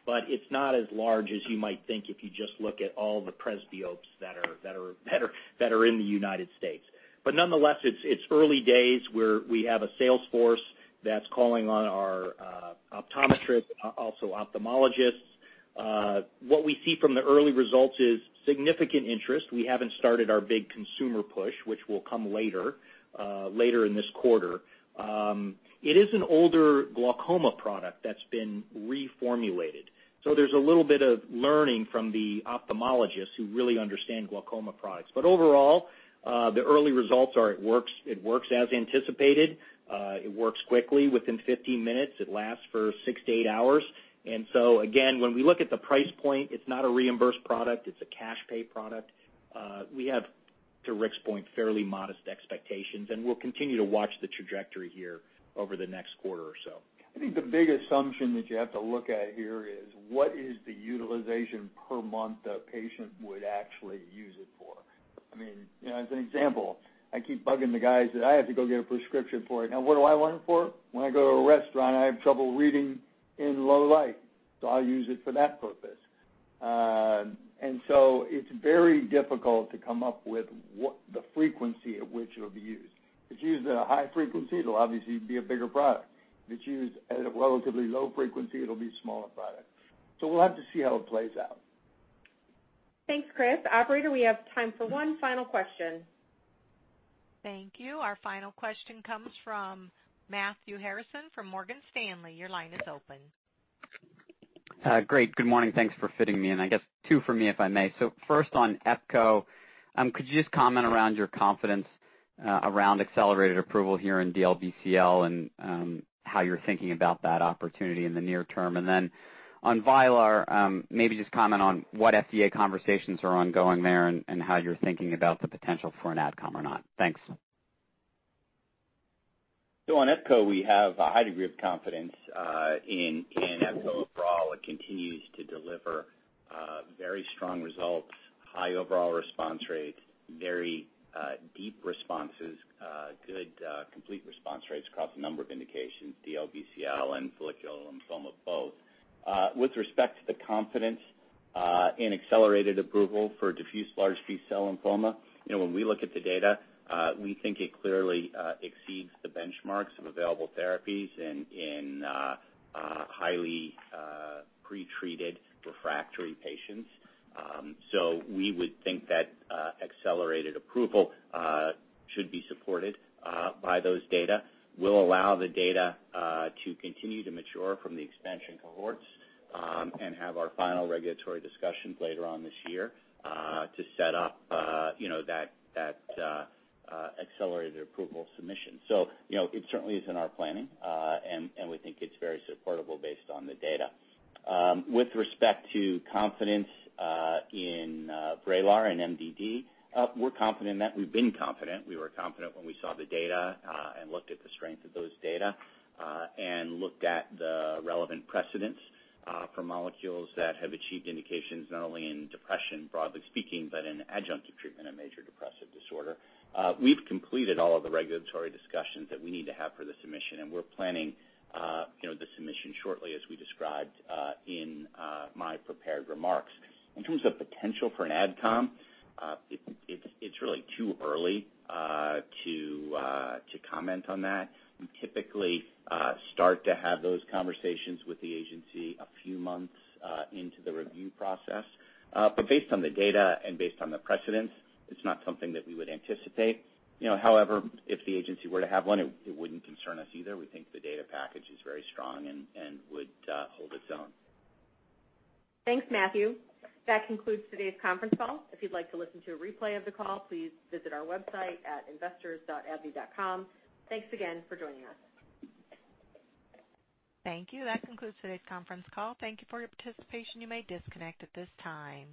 but it's not as large as you might think if you just look at all the presbyopes that are in the United States. Nonetheless, it's early days. We have a sales force that's calling on our optometrists, also ophthalmologists. What we see from the early results is significant interest. We haven't started our big consumer push, which will come later in this quarter. It is an older glaucoma product that's been reformulated, so there's a little bit of learning from the ophthalmologists who really understand glaucoma products. Overall, the early results are it works as anticipated. It works quickly within 15 minutes. It lasts for 6 to 8 hours. Again, when we look at the price point, it's not a reimbursed product, it's a cash pay product. We have, to Rick's point, fairly modest expectations, and we'll continue to watch the trajectory here over the next quarter or so. I think the big assumption that you have to look at here is what is the utilization per month a patient would actually use it for. I mean, you know, as an example, I keep bugging the guys that I have to go get a prescription for it. Now what do I want it for? When I go to a restaurant, I have trouble reading in low light, so I'll use it for that purpose. It's very difficult to come up with what the frequency at which it'll be used. If it's used at a high frequency, it'll obviously be a bigger product. If it's used at a relatively low frequency, it'll be a smaller product. We'll have to see how it plays out. Thanks, Chris. Operator, we have time for one final question. Thank you. Our final question comes from Matthew Harrison from Morgan Stanley. Your line is open. Great. Good morning. Thanks for fitting me in. I guess two for me, if I may. First on epcoritamab, could you just comment around your confidence around accelerated approval here in DLBCL and how you're thinking about that opportunity in the near term? On Vraylar, maybe just comment on what FDA conversations are ongoing there and how you're thinking about the potential for an AdCom or not. Thanks. On epcoritamab, we have a high degree of confidence in epcoritamab overall. It continues to deliver very strong results, high overall response rates, very deep responses, good complete response rates across a number of indications, DLBCL and follicular lymphoma both. With respect to the confidence in accelerated approval for diffuse large B-cell lymphoma, you know, when we look at the data, we think it clearly exceeds the benchmarks of available therapies in highly pretreated refractory patients. We would think that accelerated approval should be supported by those data. We'll allow the data to continue to mature from the expansion cohorts and have our final regulatory discussions later on this year to set up you know that accelerated approval submission. You know, it certainly is in our planning, and we think it's very supportable based on the data. With respect to confidence in Vraylar and MDD, we're confident in that. We've been confident. We were confident when we saw the data and looked at the strength of those data and looked at the relevant precedents for molecules that have achieved indications not only in depression, broadly speaking, but in adjunctive treatment of major depressive disorder. We've completed all of the regulatory discussions that we need to have for the submission, and we're planning you know, the submission shortly, as we described in my prepared remarks. In terms of potential for an AdCom, it's really too early to comment on that. We typically start to have those conversations with the agency a few months into the review process. Based on the data and based on the precedents, it's not something that we would anticipate. You know, however, if the agency were to have one, it wouldn't concern us either. We think the data package is very strong and would hold its own. Thanks, Matthew. That concludes today's conference call. If you'd like to listen to a replay of the call, please visit our website at investors.abbvie.com. Thanks again for joining us. Thank you. That concludes today's conference call. Thank you for your participation. You may disconnect at this time.